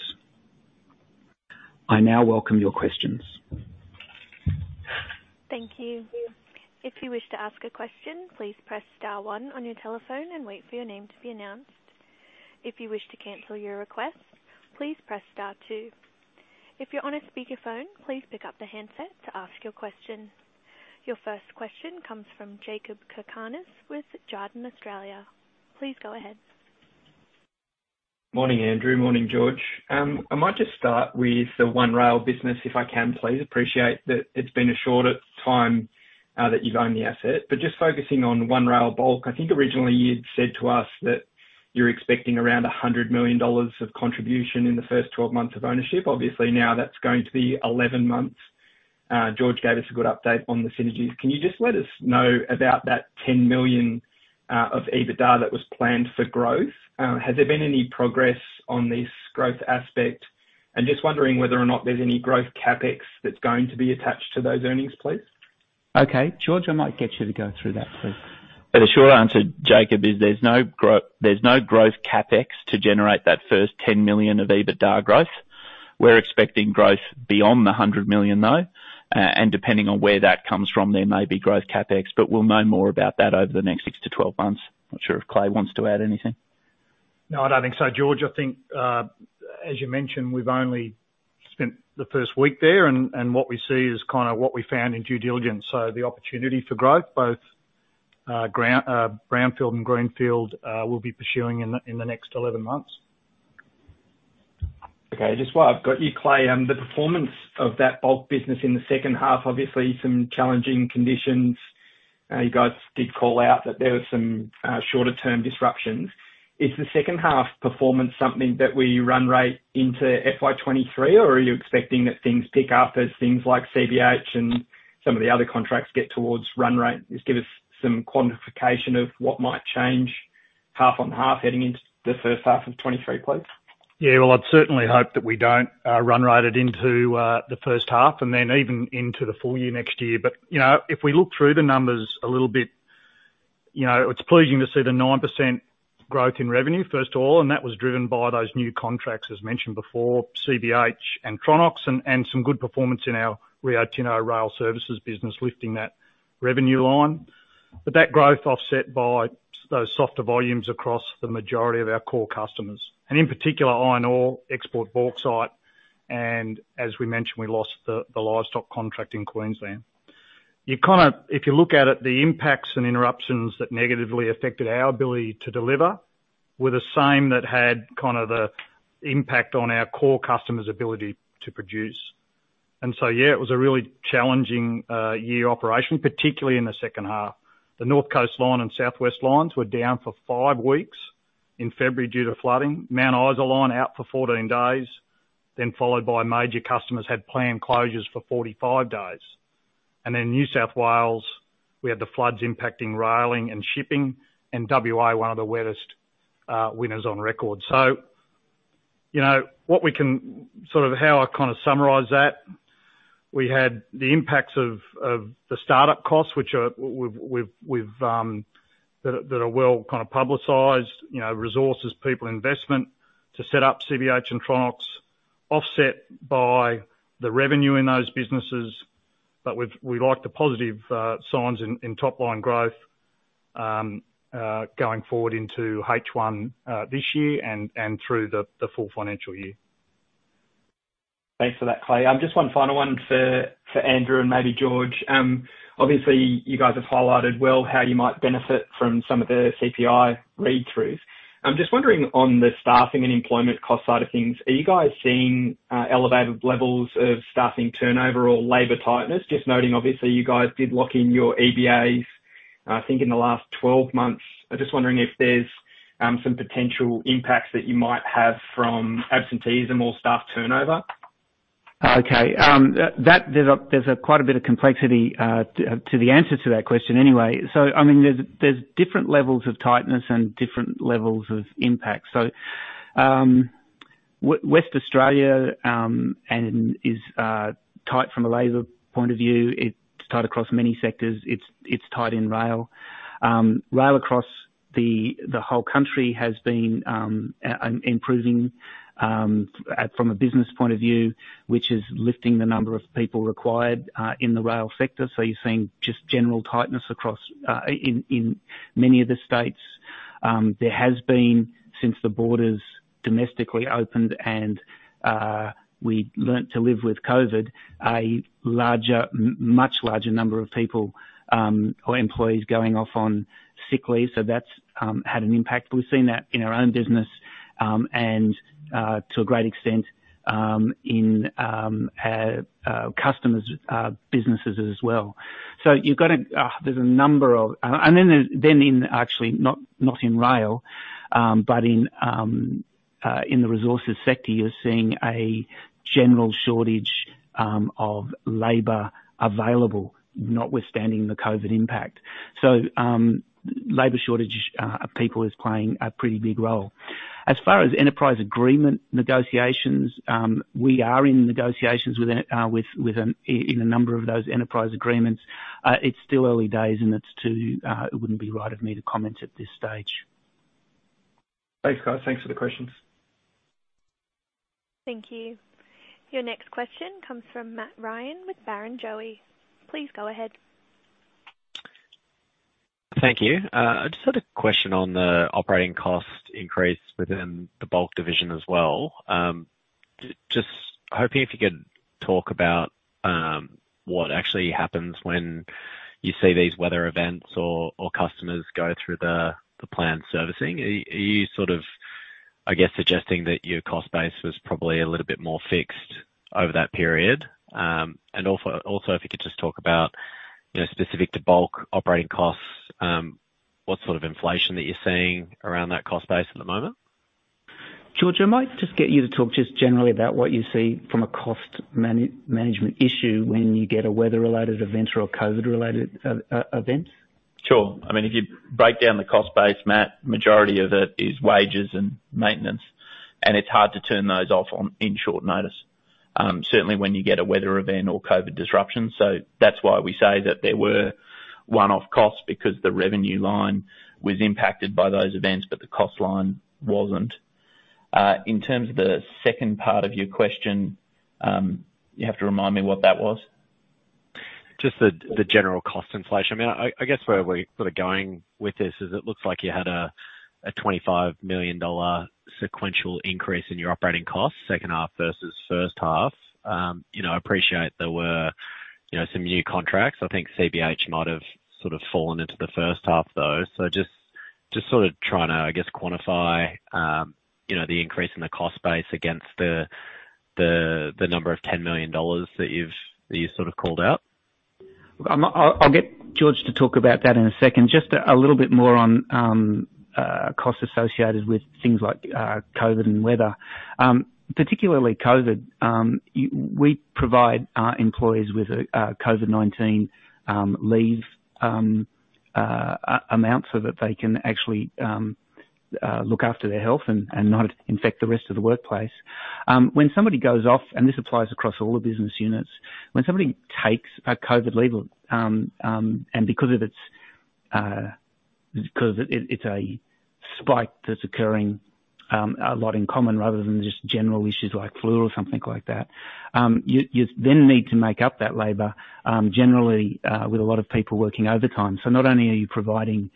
I now welcome your questions. Thank you. If you wish to ask a question, please press star one on your telephone and wait for your name to be announced. If you wish to cancel your request, please press star two. If you're on a speakerphone, please pick up the handset to ask your question. Your first question comes from Jakob Cakarnis with Jarden Australia. Please go ahead. Morning, Andrew. Morning, George. I might just start with the One Rail business, if I can, please. Appreciate that it's been a shorter time that you've owned the asset, but just focusing on One Rail Bulk, I think originally you'd said to us that you're expecting around 100 million dollars of contribution in the first 12 months of ownership. Obviously, now that's going to be 11 months. George gave us a good update on the synergies. Can you just let us know about that 10 million of EBITDA that was planned for growth? Has there been any progress on this growth aspect? Just wondering whether or not there's any growth CapEx that's going to be attached to those earnings, please. Okay. George, I might get you to go through that, please. The short answer, Jacob, is there's no growth CapEx to generate that first 10 million of EBITDA growth. We're expecting growth beyond the 100 million, though. Depending on where that comes from, there may be growth CapEx, but we'll know more about that over the next six to 12 months. Not sure if Clay wants to add anything. No, I don't think so, George. I think, as you mentioned, we've only spent the first week there and what we see is kinda what we found in due diligence. The opportunity for growth, both, brownfield and greenfield, we'll be pursuing in the next 11 months. Okay. Just while I've got you, Clay, the performance of that bulk business in the second half, obviously some challenging conditions. You guys did call out that there were some shorter term disruptions. Is the second half performance something that we run rate into FY 2023, or are you expecting that things pick up as things like CBH and some of the other contracts get towards run rate? Just give us some quantification of what might change half on half heading into the first half of 2023, please. Yeah. Well, I'd certainly hope that we don't run rate it into the first half and then even into the full year next year. But, you know, if we look through the numbers a little bit, you know, it's pleasing to see the 9% growth in revenue, first of all, and that was driven by those new contracts, as mentioned before, CBH and Tronox and some good performance in our Rio Tinto rail services business lifting that revenue line. But that growth offset by those softer volumes across the majority of our core customers, and in particular, iron ore, export bauxite, and as we mentioned, we lost the livestock contract in Queensland. You kinda If you look at it, the impacts and interruptions that negatively affected our ability to deliver were the same that had kind of the impact on our core customers' ability to produce. Yeah, it was a really challenging year operation, particularly in the second half. The North Coast line and Southwest lines were down for five weeks in February due to flooding. Mount Isa line out for 14 days, then followed by major customers had planned closures for 45 days. New South Wales, we had the floods impacting railing and shipping, and WA, one of the wettest winters on record. You know, how I kind of summarize that, we had the impacts of the startup costs, which are well kind of publicized, you know, resources, people, investment to set up CBH and Tronox offset by the revenue in those businesses. We like the positive signs in top line growth going forward into H1 this year and through the full financial year. Thanks for that, Clay. Just one final one for Andrew and maybe George. Obviously you guys have highlighted well how you might benefit from some of the CPI read-throughs. I'm just wondering on the staffing and employment cost side of things, are you guys seeing elevated levels of staffing turnover or labor tightness? Just noting, obviously you guys did lock in your EBAs, I think, in the last 12 months. I'm just wondering if there's some potential impacts that you might have from absenteeism or staff turnover. There's quite a bit of complexity to the answer to that question anyway. I mean, there's different levels of tightness and different levels of impact. Western Australia is tight from a labor point of view. It's tight across many sectors. It's tight in rail. Rail across the whole country has been improving from a business point of view, which is lifting the number of people required in the rail sector. You're seeing just general tightness across in many of the states. There has been since the borders domestically opened and we learned to live with COVID, a much larger number of people or employees going off on sick leave. That's had an impact. We've seen that in our own business, and to a great extent in customers' businesses as well. You've got a number of, and then there's actually not in rail, but in the resources sector, you're seeing a general shortage of labor available notwithstanding the COVID impact. Labor shortage of people is playing a pretty big role. As far as enterprise agreement negotiations, we are in negotiations with a number of those enterprise agreements. It's still early days, and it wouldn't be right of me to comment at this stage. Thanks, guys. Thanks for the questions. Thank you. Your next question comes from Matt Ryan with Barrenjoey. Please go ahead. Thank you. I just had a question on the operating cost increase within the bulk division as well. Just hoping if you could talk about what actually happens when you see these weather events or customers go through the planned servicing. Are you sort of, I guess, suggesting that your cost base was probably a little bit more fixed over that period? And also if you could just talk about, you know, specific to bulk operating costs, what sort of inflation that you're seeing around that cost base at the moment? George, I might just get you to talk just generally about what you see from a cost management issue when you get a weather-related event or a COVID-related event. Sure. I mean, if you break down the cost base, Matt, majority of it is wages and maintenance, and it's hard to turn those off on short notice, certainly when you get a weather event or COVID disruption. That's why we say that there were one-off costs because the revenue line was impacted by those events, but the cost line wasn't. In terms of the second part of your question, you have to remind me what that was. Just the general cost inflation. I mean, I guess where we're sort of going with this is it looks like you had a 25 million dollar sequential increase in your operating costs, second half versus first half. You know, I appreciate there were, you know, some new contracts. I think CBH might have sort of fallen into the first half, though. Just sort of trying to, I guess, quantify, you know, the increase in the cost base against the number of 10 million dollars that you've sort of called out. I'll get George to talk about that in a second. Just a little bit more on costs associated with things like COVID and weather. Particularly COVID, we provide our employees with a COVID-19 leave amount so that they can actually look after their health and not infect the rest of the workplace. When somebody goes off, and this applies across all the business units, when somebody takes a COVID leave, and because it's a spike that's occurring all at once rather than just general issues like flu or something like that, you then need to make up that labor, generally, with a lot of people working overtime. Not only are you providing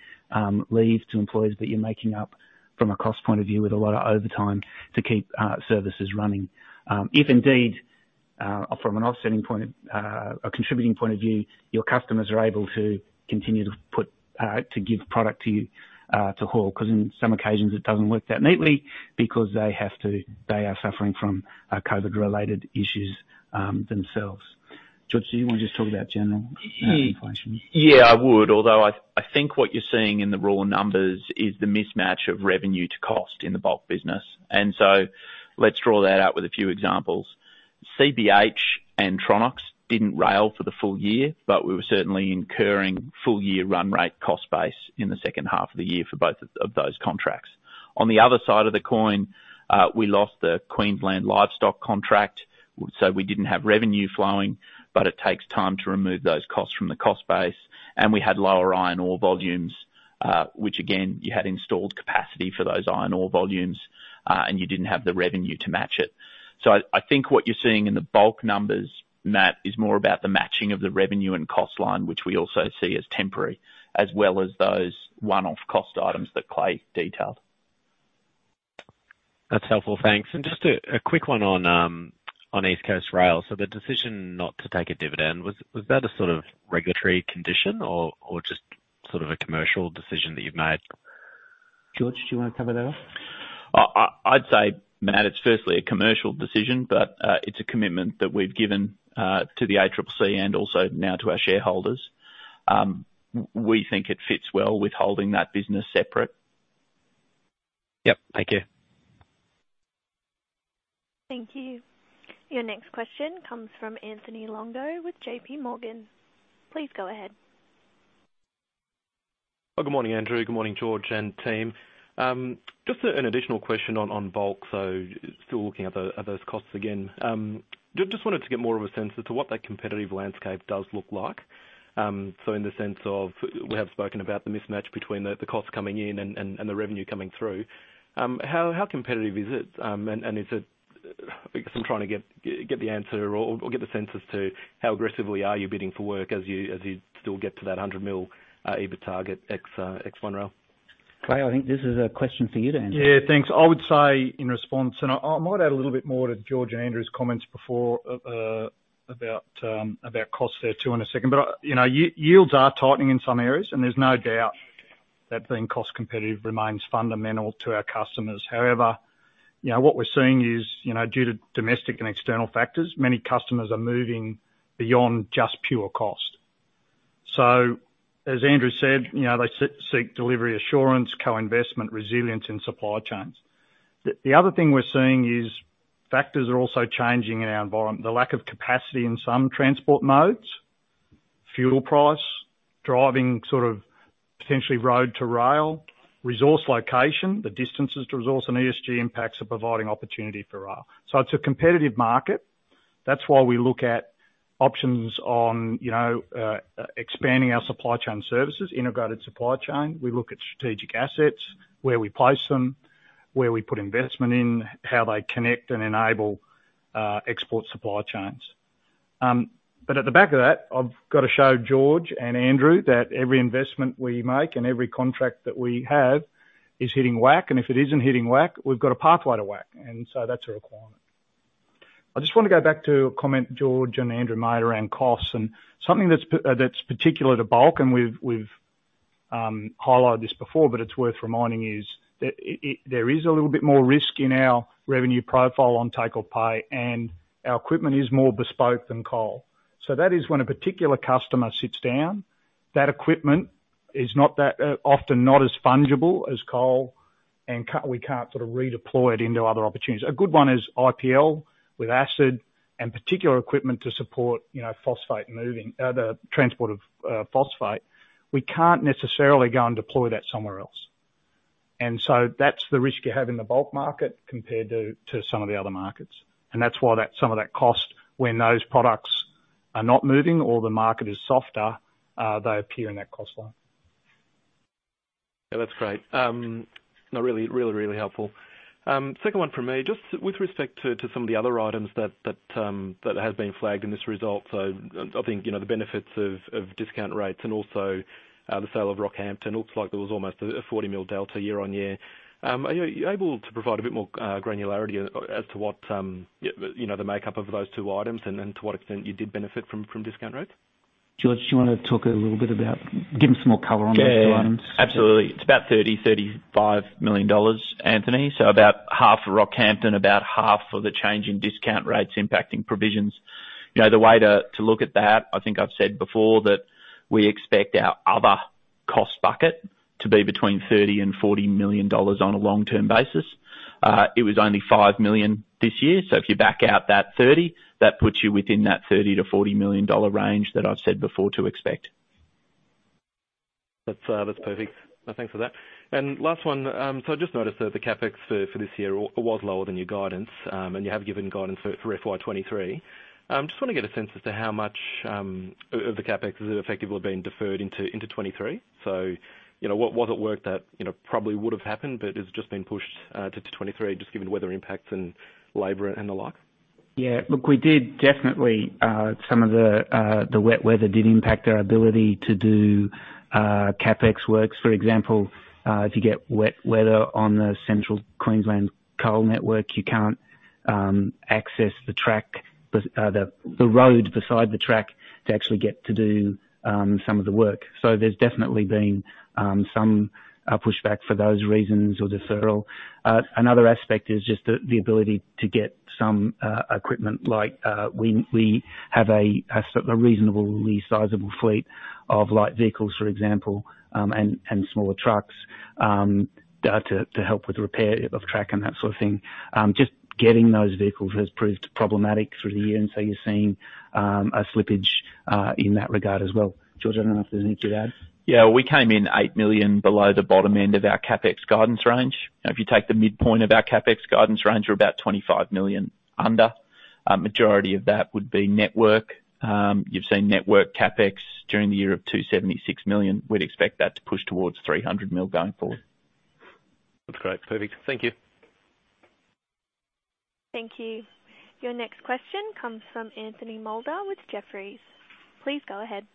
leave to employees, but you're making up from a cost point of view with a lot of overtime to keep services running. If indeed from an offsetting point, a contributing point of view, your customers are able to continue to give product to you to haul, 'cause in some occasions it doesn't work that neatly because they are suffering from COVID-related issues themselves. George, do you wanna just talk about general inflation? Yeah, I would, although I think what you're seeing in the raw numbers is the mismatch of revenue to cost in the bulk business. Let's draw that out with a few examples. CBH and Tronox didn't rail for the full year, but we were certainly incurring full-year run rate cost base in the second half of the year for both of those contracts. On the other side of the coin, we lost the Queensland Livestock contract, so we didn't have revenue flowing, but it takes time to remove those costs from the cost base. We had lower iron ore volumes, which again, you had installed capacity for those iron ore volumes, and you didn't have the revenue to match it. I think what you're seeing in the bulk numbers, Matt, is more about the matching of the revenue and cost line, which we also see as temporary, as well as those one-off cost items that Clay detailed. That's helpful. Thanks. Just a quick one on East Coast Rail. The decision not to take a dividend, was that a sort of regulatory condition or just sort of a commercial decision that you've made? George, do you wanna cover that one? I'd say, Matt, it's firstly a commercial decision, but it's a commitment that we've given to the ACCC and also now to our shareholders. We think it fits well with holding that business separate. Yep. Thank you. Thank you. Your next question comes from Anthony Longo with JPMorgan. Please go ahead. Well, good morning, Andrew. Good morning, George and team. Just an additional question on Bulk. Still looking at those costs again. Just wanted to get more of a sense as to what that competitive landscape does look like. In the sense of we have spoken about the mismatch between the cost coming in and the revenue coming through. How competitive is it? And is it because I'm trying to get the sense as to how aggressively are you bidding for work as you still get to that 100 million EBIT target ex One Rail. Clay, I think this is a question for you to answer. Yeah, thanks. I would say in response, and I might add a little bit more to George and Andrew's comments before about costs there too in a second. You know, yields are tightening in some areas and there's no doubt that being cost competitive remains fundamental to our customers. However, you know, what we're seeing is, you know, due to domestic and external factors, many customers are moving beyond just pure cost. So as Andrew said, you know, they seek delivery assurance, co-investment, resilience in supply chains. The other thing we're seeing is factors are also changing in our environment. The lack of capacity in some transport modes, fuel price driving sort of potentially road to rail, resource location, the distances to resource and ESG impacts are providing opportunity for rail. It's a competitive market. That's why we look at options on, you know, expanding our supply chain services, integrated supply chain. We look at strategic assets, where we place them, where we put investment in, how they connect and enable export supply chains. At the back of that, I've got to show George and Andrew that every investment we make and every contract that we have is hitting WACC, and if it isn't hitting WACC, we've got a pathway to WACC. That's a requirement. I just wanna go back to a comment George and Andrew made around costs and something that's particular to bulk, and we've highlighted this before, but it's worth reminding that there is a little bit more risk in our revenue profile on take or pay, and our equipment is more bespoke than coal. That is when a particular customer sits down, that equipment is not that often not as fungible as coal and we can't sort of redeploy it into other opportunities. A good one is IPL with acid and particular equipment to support, you know, phosphate moving. The transport of phosphate. We can't necessarily go and deploy that somewhere else. That's the risk you have in the bulk market compared to some of the other markets. That's why that, some of that cost when those products are not moving or the market is softer, they appear in that cost line. Yeah, that's great. No, really helpful. Second one from me, just with respect to some of the other items that has been flagged in this result. I think, you know, the benefits of discount rates and also the sale of Rockhampton looks like there was almost a 40 million delta year-on-year. Are you able to provide a bit more granularity as to what you know the makeup of those two items and to what extent you did benefit from discount rates? Give him some more color on those two items. Yeah. Absolutely. It's about 30 million-35 million dollars, Anthony. So about half of Rockhampton, about half of the change in discount rates impacting provisions. You know, the way to look at that, I think I've said before that we expect our other cost bucket to be between 30 million and 40 million dollars on a long-term basis. It was only 5 million this year, so if you back out that 30, that puts you within that 30 million to 40 million dollar range that I've said before to expect. That's perfect. No, thanks for that. Last one. I just noticed that the CapEx for this year was lower than your guidance, and you have given guidance for FY 2023. Just wanna get a sense as to how much of the CapEx has effectively been deferred into 2023. You know, what wasn't worked that, you know, probably would have happened but has just been pushed to 2023 just given weather impacts and labor and the like? Yeah. Look, we did definitely some of the wet weather did impact our ability to do CapEx works. For example, if you get wet weather on the Central Queensland coal network, you can't access the road beside the track to actually get to do some of the work. There's definitely been some pushback for those reasons or deferral. Another aspect is just the ability to get some equipment like, we have a reasonably sizable fleet of light vehicles, for example, and smaller trucks. To help with repair of track and that sort of thing. Just getting those vehicles has proved problematic through the year, and so you're seeing a slippage in that regard as well. George, I don't know if there's anything to add. Yeah, we came in 8 million below the bottom end of our CapEx guidance range. Now if you take the midpoint of our CapEx guidance range, we're about 25 million under. A majority of that would be network. You've seen network CapEx during the year of 276 million. We'd expect that to push towards 300 million going forward. That's great. Perfect. Thank you. Thank you. Your next question comes from Anthony Moulder with Jefferies. Please go ahead.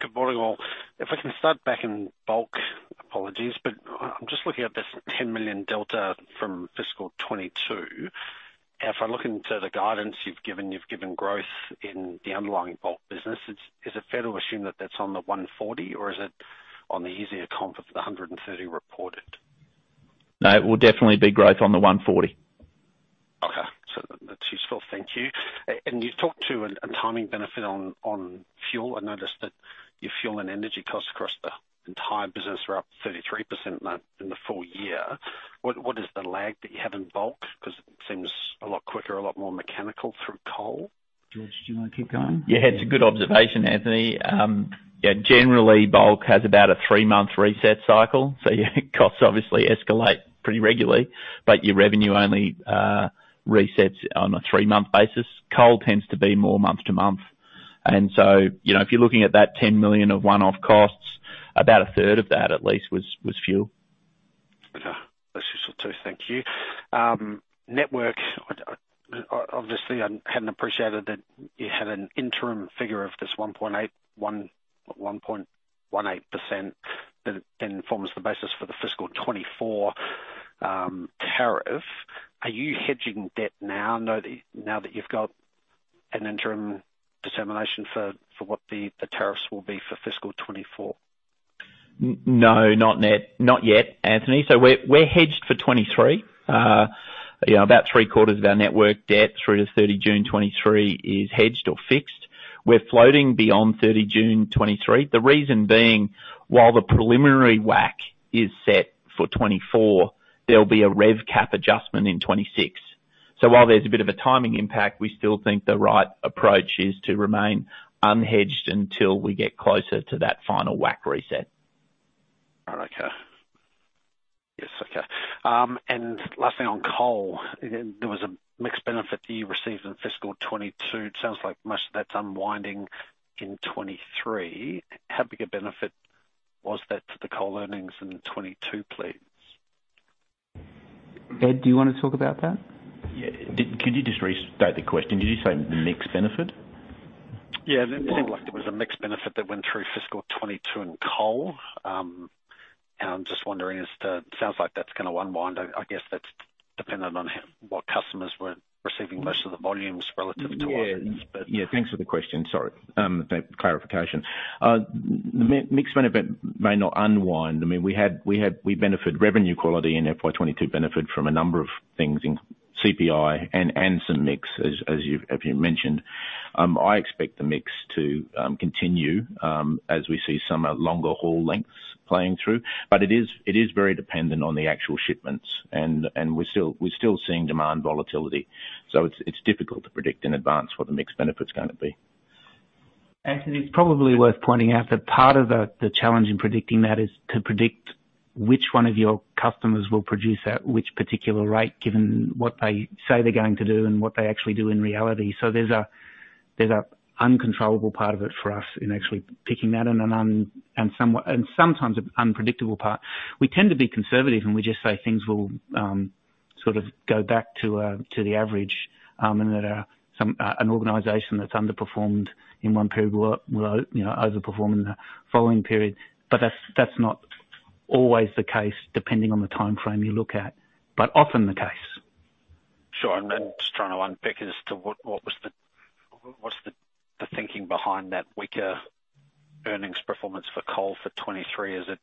Good morning, all. If I can start back in bulk. Apologies, but I'm just looking at this 10 million delta from fiscal 2022. If I look into the guidance you've given, you've given growth in the underlying bulk business. Is it fair to assume that that's on the 140 or is it on the easier comp of the 130 reported? No, it will definitely be growth on the 140. Okay. That's useful. Thank you. You've talked to a timing benefit on fuel. I noticed that your fuel and energy costs across the entire business are up 33% in the full year. What is the lag that you have in bulk? Because it seems a lot quicker, a lot more mechanical through coal. George, do you wanna keep going? Yeah, it's a good observation, Anthony. Yeah, generally bulk has about a three-month reset cycle. Costs obviously escalate pretty regularly, but your revenue only resets on a three-month basis. Coal tends to be more month to month. You know, if you're looking at that 10 million of one-off costs, about a third of that at least was fuel. Okay. That's useful too. Thank you. Network. Obviously I hadn't appreciated that you had an interim figure of this 1.18% that informs the basis for the fiscal 2024 tariff. Are you hedging debt now that you've got an interim determination for what the tariffs will be for fiscal 2024? No, not net. Not yet, Anthony. We're hedged for 2023. You know, about three-quarters of our network debt through to June 30 2023 is hedged or fixed. We're floating beyond June 30 2023. The reason being, while the preliminary WACC is set for 2024, there'll be a rev cap adjustment in 2026. While there's a bit of a timing impact, we still think the right approach is to remain unhedged until we get closer to that final WACC reset. Last thing on coal. There was a mixed benefit that you received in fiscal 2022. It sounds like most of that's unwinding in 2023. How big a benefit was that to the coal earnings in 2022, please? Ed, do you wanna talk about that? Yeah. Could you just restate the question? Did you say mixed benefit? Yeah. It seemed like there was a mixed benefit that went through fiscal 2022 in coal. I'm just wondering as to. Sounds like that's gonna unwind. I guess that's dependent on what customers were receiving most of the volumes relative to what. Thanks for the question. Sorry for clarification. The mixed benefit may not unwind. I mean, revenue quality in FY 2022 benefited from a number of things, CPI and some mix as you mentioned. I expect the mix to continue as we see some longer haul lengths playing through. It is very dependent on the actual shipments and we're still seeing demand volatility, so it's difficult to predict in advance what the mixed benefit's gonna be. Anthony, it's probably worth pointing out that part of the challenge in predicting that is to predict which one of your customers will produce at which particular rate, given what they say they're going to do and what they actually do in reality. There's an uncontrollable part of it for us in actually picking that and sometimes an unpredictable part. We tend to be conservative, and we just say things will sort of go back to the average, and that an organization that's underperformed in one period will, you know, overperform in the following period. That's not always the case, depending on the timeframe you look at, but often the case. Sure. Just trying to unpick as to what was the thinking behind that weaker earnings performance for coal for 2023. Is it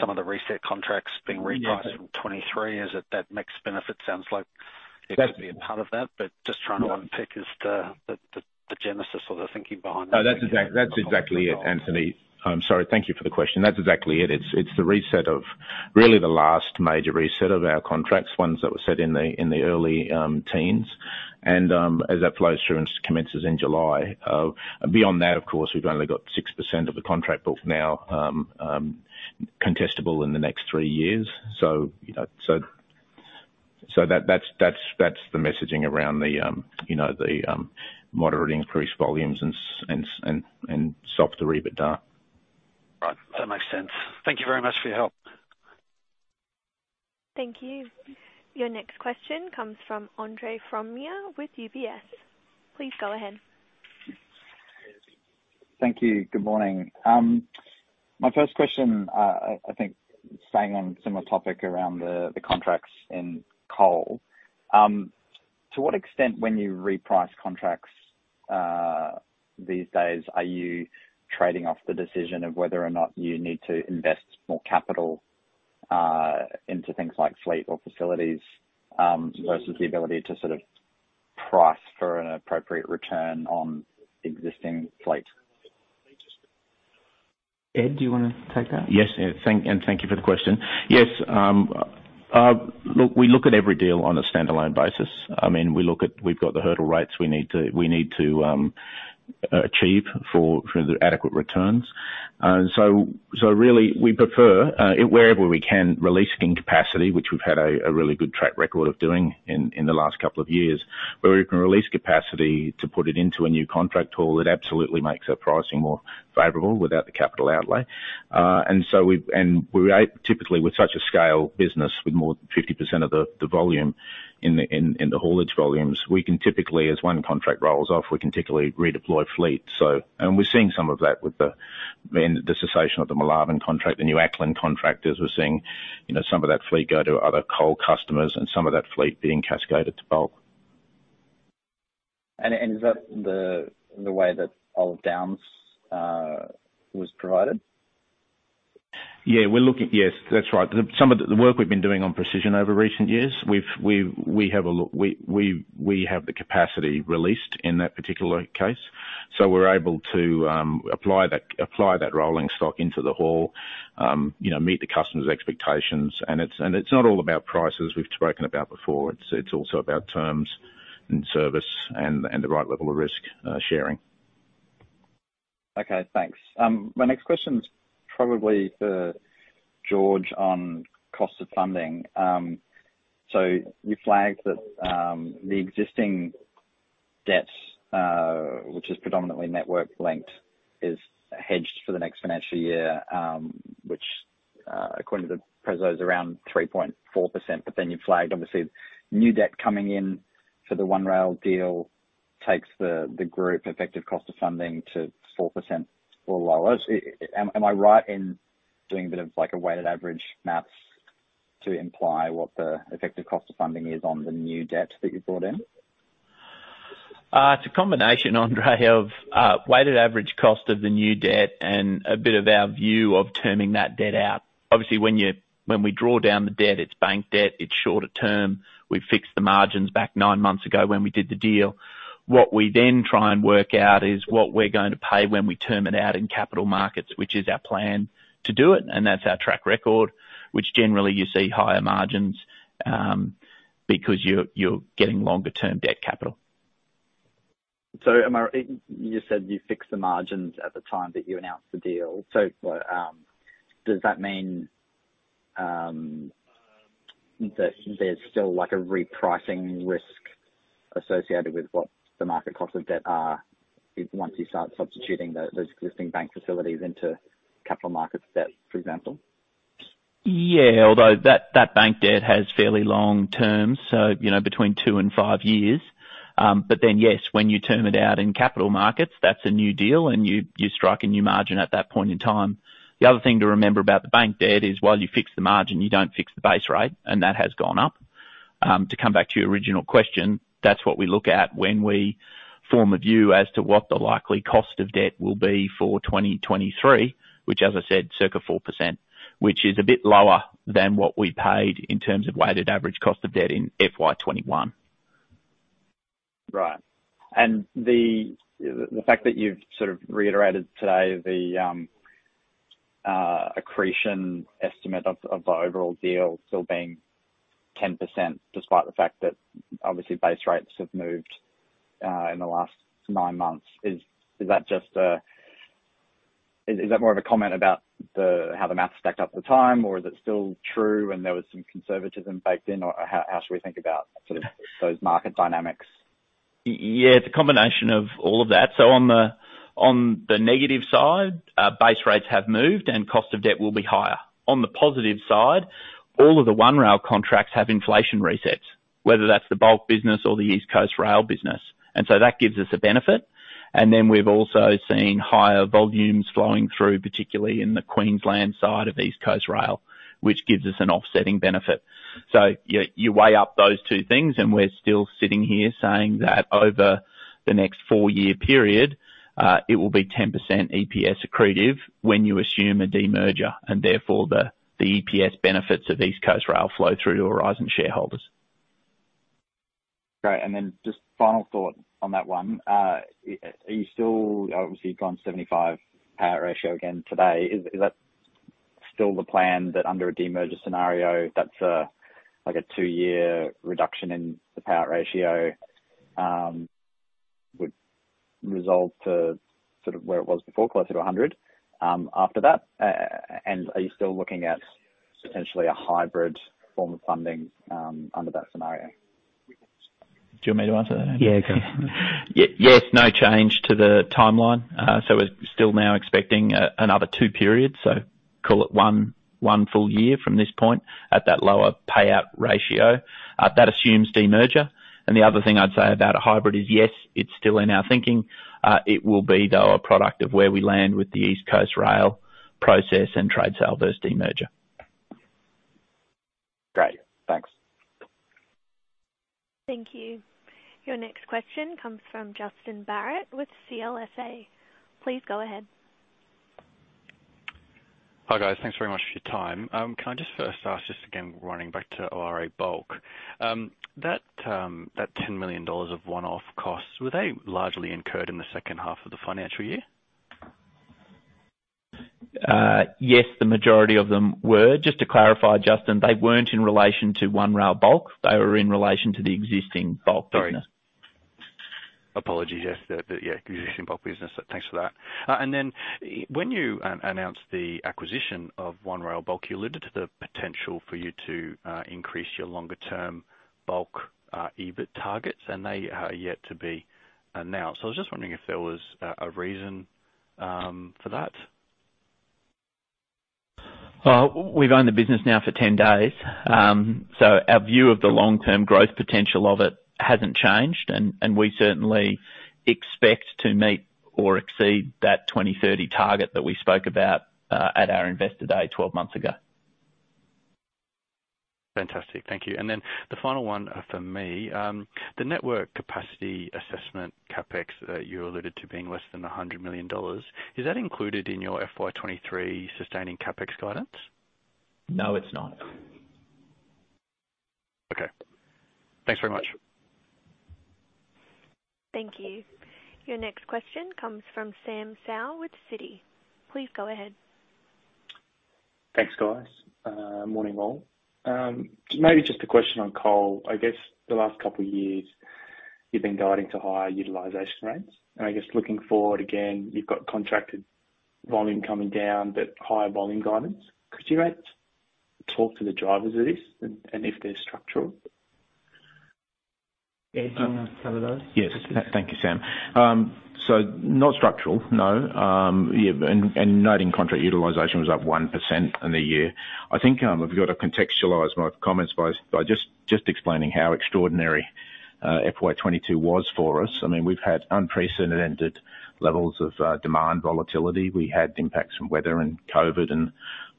some of the reset contracts being repriced from 2023? Is it that mixed benefit? Sounds like it could be a part of that, but just trying to unpick as to the genesis or the thinking behind that. No, that's exactly it, Anthony. I'm sorry. Thank you for the question. That's exactly it. It's the reset of really the last major reset of our contracts, ones that were set in the early teens. As that flows through and commences in July. Beyond that, of course, we've only got 6% of the contract book now contestable in the next three years. You know, that's the messaging around, you know, the moderately increased volumes and softer EBITDA. Right. That makes sense. Thank you very much for your help. Thank you. Your next question comes from Andre Fromyhr with UBS. Please go ahead. Thank you. Good morning. My first question, I think staying on similar topic around the contracts in coal. To what extent when you reprice contracts these days, are you trading off the decision of whether or not you need to invest more capital into things like fleet or facilities versus the ability to sort of price for an appropriate return on existing fleet. Ed, do you wanna take that? Yes, thank you for the question. Yes, look, we look at every deal on a standalone basis. I mean, we've got the hurdle rates we need to achieve for the adequate returns. So really we prefer it wherever we can release capacity, which we've had a really good track record of doing in the last couple of years, where we can release capacity to put it into a new contract haul. It absolutely makes our pricing more favorable without the capital outlay. We are typically with such a scale business with more than 50% of the volume in the haulage volumes. We can typically, as one contract rolls off, redeploy fleet. We're seeing some of that with the cessation of the Milavan contract, the New Acland contract, you know, some of that fleet go to other coal customers and some of that fleet being cascaded to bulk. Is that the way that Olive Downs was provided? Yes, that's right. Some of the work we've been doing on precision over recent years, we have a look. We have the capacity released in that particular case, so we're able to apply that rolling stock into the haul, you know, meet the customer's expectations. It's not all about prices we've spoken about before. It's also about terms and service and the right level of risk sharing. Okay, thanks. My next question is probably for George on cost of funding. So you flagged that the existing debt, which is predominantly network linked, is hedged for the next financial year, which, according to the preso is around 3.4%. But then you flagged obviously the new debt coming in for the One Rail deal takes the group effective cost of funding to 4% or lower. Am I right in doing a bit of like a weighted average math to imply what the effective cost of funding is on the new debt that you brought in? It's a combination, Andre, of weighted average cost of the new debt and a bit of our view of terming that debt out. Obviously, when we draw down the debt, it's bank debt, it's shorter term. We've fixed the margins back nine months ago when we did the deal. What we then try and work out is what we're going to pay when we term it out in capital markets, which is our plan to do it, and that's our track record, which generally you see higher margins, because you're getting longer-term debt capital. You said you fixed the margins at the time that you announced the deal. Does that mean that there's still like a repricing risk associated with what the market cost of debt are once you start substituting those existing bank facilities into capital markets debt, for example? Yeah. Although that bank debt has fairly long terms, so you know, between two and five years. When you term it out in capital markets, that's a new deal and you strike a new margin at that point in time. The other thing to remember about the bank debt is while you fix the margin, you don't fix the base rate, and that has gone up. To come back to your original question, that's what we look at when we form a view as to what the likely cost of debt will be for 2023, which as I said, circa 4%, which is a bit lower than what we paid in terms of weighted average cost of debt in FY 2021. Right. The fact that you've sort of reiterated today the accretion estimate of the overall deal still being 10% despite the fact that obviously base rates have moved in the last nine months. Is that more of a comment about how the math stacked up at the time or is it still true and there was some conservatism baked in? Or how should we think about sort of those market dynamics? Yeah, it's a combination of all of that. On the negative side, base rates have moved and cost of debt will be higher. On the positive side, all of the One Rail contracts have inflation resets, whether that's the bulk business or the East Coast Rail business. That gives us a benefit. We've also seen higher volumes flowing through, particularly in the Queensland side of East Coast Rail, which gives us an offsetting benefit. You weigh up those two things, and we're still sitting here saying that over the next four-year period, it will be 10% EPS accretive when you assume a demerger, and therefore the EPS benefits of East Coast Rail flow through to Aurizon shareholders. Great. Just final thought on that one. Are you still obviously you've gone 75% payout ratio again today. Is that still the plan that under a demerger scenario, that's like a two-year reduction in the payout ratio would resolve to sort of where it was before, closer to 100% after that? And are you still looking at potentially a hybrid form of funding under that scenario? Do you want me to answer that? Yeah. Yes. No change to the timeline. We're still now expecting another two periods, so call it one full year from this point at that lower payout ratio. That assumes demerger. The other thing I'd say about a hybrid is, yes, it's still in our thinking. It will be, though, a product of where we land with the East Coast Rail process and trade sale versus demerger. Great. Thanks. Thank you. Your next question comes from Justin Barratt with CLSA. Please go ahead. Hi, guys. Thanks very much for your time. Can I just first ask, just again running back to One Rail Bulk, that 10 million dollars of one-off costs, were they largely incurred in the second half of the financial year? Yes, the majority of them were. Just to clarify, Justin, they weren't in relation to One Rail Bulk. They were in relation to the existing bulk business. Sorry. Apologies. Yes. The existing bulk business. Thanks for that. Then when you announced the acquisition of One Rail Bulk, you alluded to the potential for you to increase your longer term bulk EBIT targets, and they are yet to be announced. I was just wondering if there was a reason for that. Well, we've owned the business now for 10 days. Our view of the long-term growth potential of it hasn't changed, and we certainly expect to meet or exceed that 20-30 target that we spoke about at our Investor Day 12 months ago. Fantastic. Thank you. The final one from me. The network capacity assessment CapEx that you alluded to being less than 100 million dollars, is that included in your FY 2023 sustaining CapEx guidance? No, it's not. Okay. Thanks very much. Thank you. Your next question comes from Samuel Seow with Citi. Please go ahead. Thanks, guys. Morning, all. Maybe just a question on coal. I guess the last couple of years you've been guiding to higher utilization rates, and I guess looking forward again, you've got contracted volume coming down, but higher volume guidance. Could you maybe talk to the drivers of this and if they're structural? Ed, do you wanna cover those? Yes. Thank you, Sam. Not structural. No. Noting contract utilization was up 1% in the year. I think I've got to contextualize my comments by just explaining how extraordinary FY 2022 was for us. I mean, we've had unprecedented levels of demand volatility. We had impacts from weather and COVID and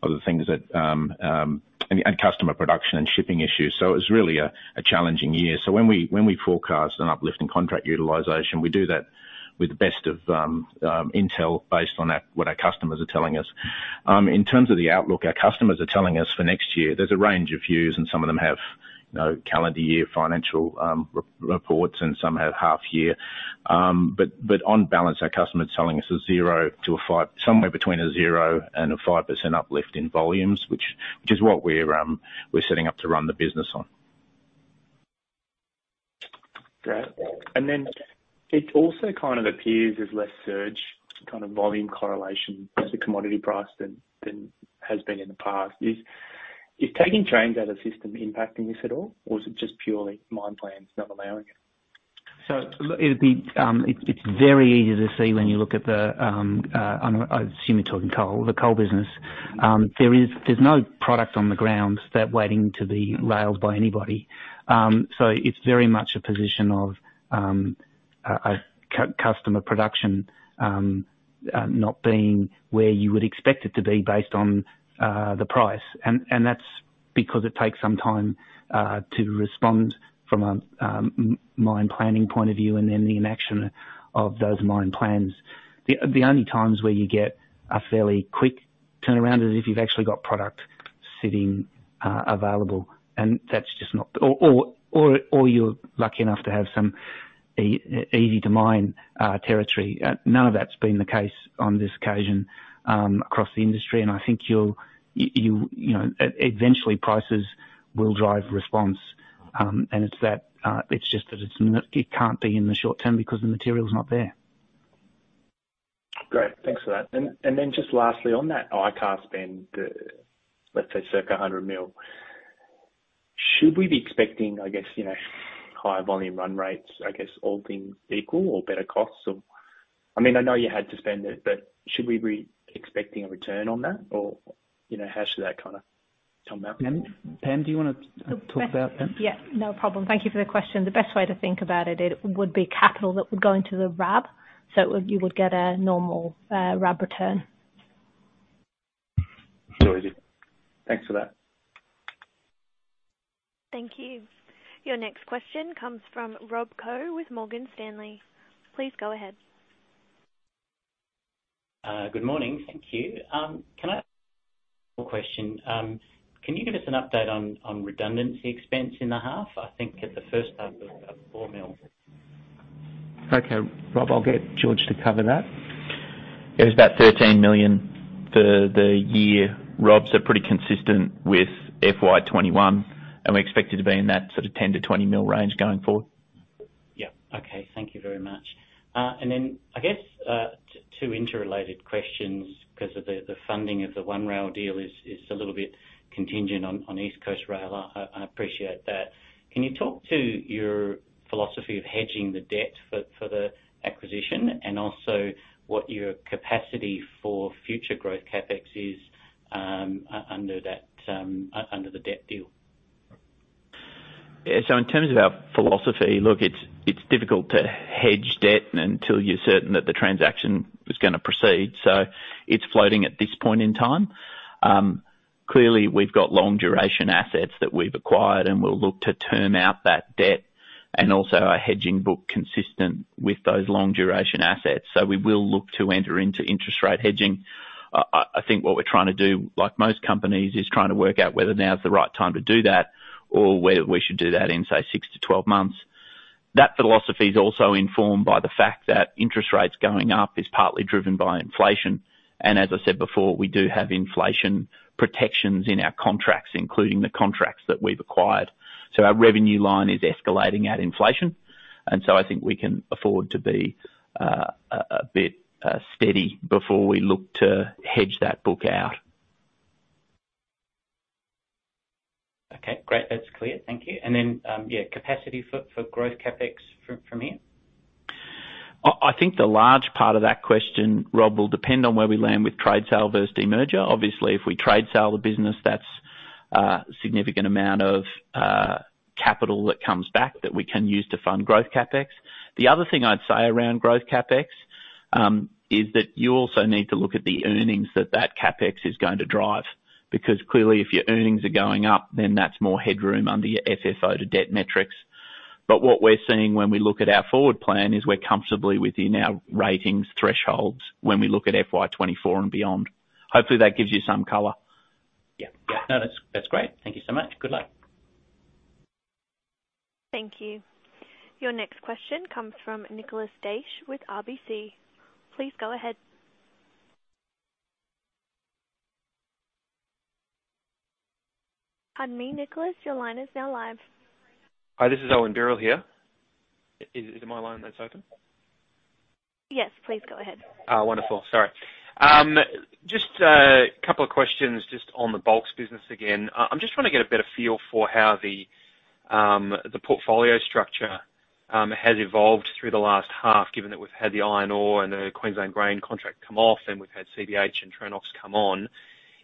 other things and customer production and shipping issues. It was really a challenging year. When we forecast an uplift in contract utilization, we do that with the best of intel based on what our customers are telling us. In terms of the outlook, our customers are telling us for next year there's a range of views and some of them have, you know, calendar year financial reports and some have half year. On balance, our customers are telling us zero to a 5% uplift in volumes, somewhere between zero and 5%, which is what we're setting up to run the business on. Great. It also kind of appears there's less surge kind of volume correlation to commodity price than has been in the past. Is taking trains out of the system impacting this at all? Or is it just purely mine plans not allowing it? It'd be very easy to see when you look at the, I assume you're talking coal, the coal business. There's no product on the ground that's waiting to be railed by anybody. It's very much a position of a customer production not being where you would expect it to be based on the price. That's because it takes some time to respond from a mine planning point of view and then the implementation of those mine plans. The only times where you get a fairly quick turnaround is if you've actually got product sitting available, and that's just not. Or you're lucky enough to have some easy to mine territory. None of that's been the case on this occasion across the industry. I think you know eventually prices will drive response. It's just that it can't be in the short term because the material is not there. Great. Thanks for that. Just lastly on that ICAR spend, let's say circa 100 million. Should we be expecting, I guess, you know, higher volume run rates, I guess all things equal or better costs? I mean, I know you had to spend it, but should we be expecting a return on that or, you know, how should that kinda come out? Pam? Pam, do you wanna talk about that? Yeah, no problem. Thank you for the question. The best way to think about it would be capital that would go into the RAB. You would get a normal RAB return. Noted. Thanks for that. Thank you. Your next question comes from Robert Koh with Morgan Stanley. Please go ahead. Good morning. Thank you. One question. Can you give us an update on redundancy expense in the half? I think at the first half it was about 4 million. Okay. Rob, I'll get George to cover that. It was about 13 million for the year. Rob Koh's are pretty consistent with FY 2021, and we expect it to be in that sort of 10 million-20 million range going forward. Yeah. Okay. Thank you very much. I guess two interrelated questions because of the funding of the One Rail deal is a little bit contingent on East Coast Rail. I appreciate that. Can you talk to your philosophy of hedging the debt for the acquisition and also what your capacity for future growth CapEx is under that under the debt deal? Yeah. In terms of our philosophy, look, it's difficult to hedge debt until you're certain that the transaction is gonna proceed. It's floating at this point in time. Clearly, we've got long duration assets that we've acquired, and we'll look to term out that debt and also our hedging book consistent with those long duration assets. We will look to enter into interest rate hedging. I think what we're trying to do, like most companies, is trying to work out whether now is the right time to do that or whether we should do that in, say, six-12 months. That philosophy is also informed by the fact that interest rates going up is partly driven by inflation. As I said before, we do have inflation protections in our contracts, including the contracts that we've acquired. Our revenue line is escalating at inflation. I think we can afford to be a bit steady before we look to hedge that book out. Okay, great. That's clear. Thank you. Capacity for growth CapEx from here? I think the large part of that question, Rob, will depend on where we land with trade sale versus demerger. Obviously, if we trade sale the business, that's a significant amount of capital that comes back that we can use to fund growth CapEx. The other thing I'd say around growth CapEx is that you also need to look at the earnings that that CapEx is going to drive, because clearly, if your earnings are going up, then that's more headroom under your FFO to debt metrics. What we're seeing when we look at our forward plan is we're comfortably within our ratings thresholds when we look at FY 2024 and beyond. Hopefully, that gives you some color. Yeah. Yeah. No, that's great. Thank you so much. Good luck. Thank you. Your next question comes from Owen Birrell with RBC. Please go ahead. Pardon me, Owen, your line is now live. Hi, this is Owen Birrell here. Is it my line that's open? Yes, please go ahead. Just a couple of questions just on the bulk business again. I'm just trying to get a better feel for how the portfolio structure has evolved through the last half, given that we've had the iron ore and the Queensland grain contract come off and we've had CBH and Tronox come on.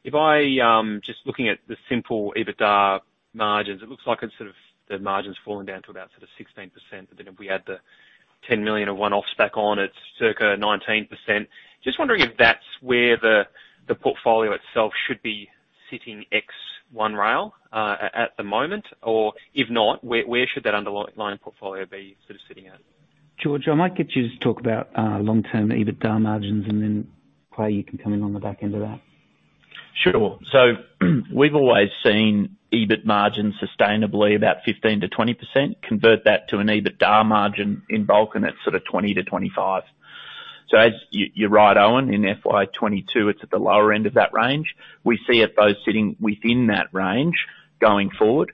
Just looking at the simple EBITDA margins, it looks like it's sort of the margins falling down to about sort of 16%. But then if we add the 10 million of one-offs back on, it's circa 19%. Just wondering if that's where the portfolio itself should be sitting ex One Rail at the moment, or if not, where should that underlying bulk portfolio be sort of sitting at? George, I might get you to talk about long-term EBITDA margins, and then, Clay, you can come in on the back end of that. Sure. We've always seen EBIT margins sustainably about 15%-20%. Convert that to an EBITDA margin in bulk, and it's sort of 20%-25%. You're right, Owen, in FY 2022, it's at the lower end of that range. We see it sitting within that range going forward.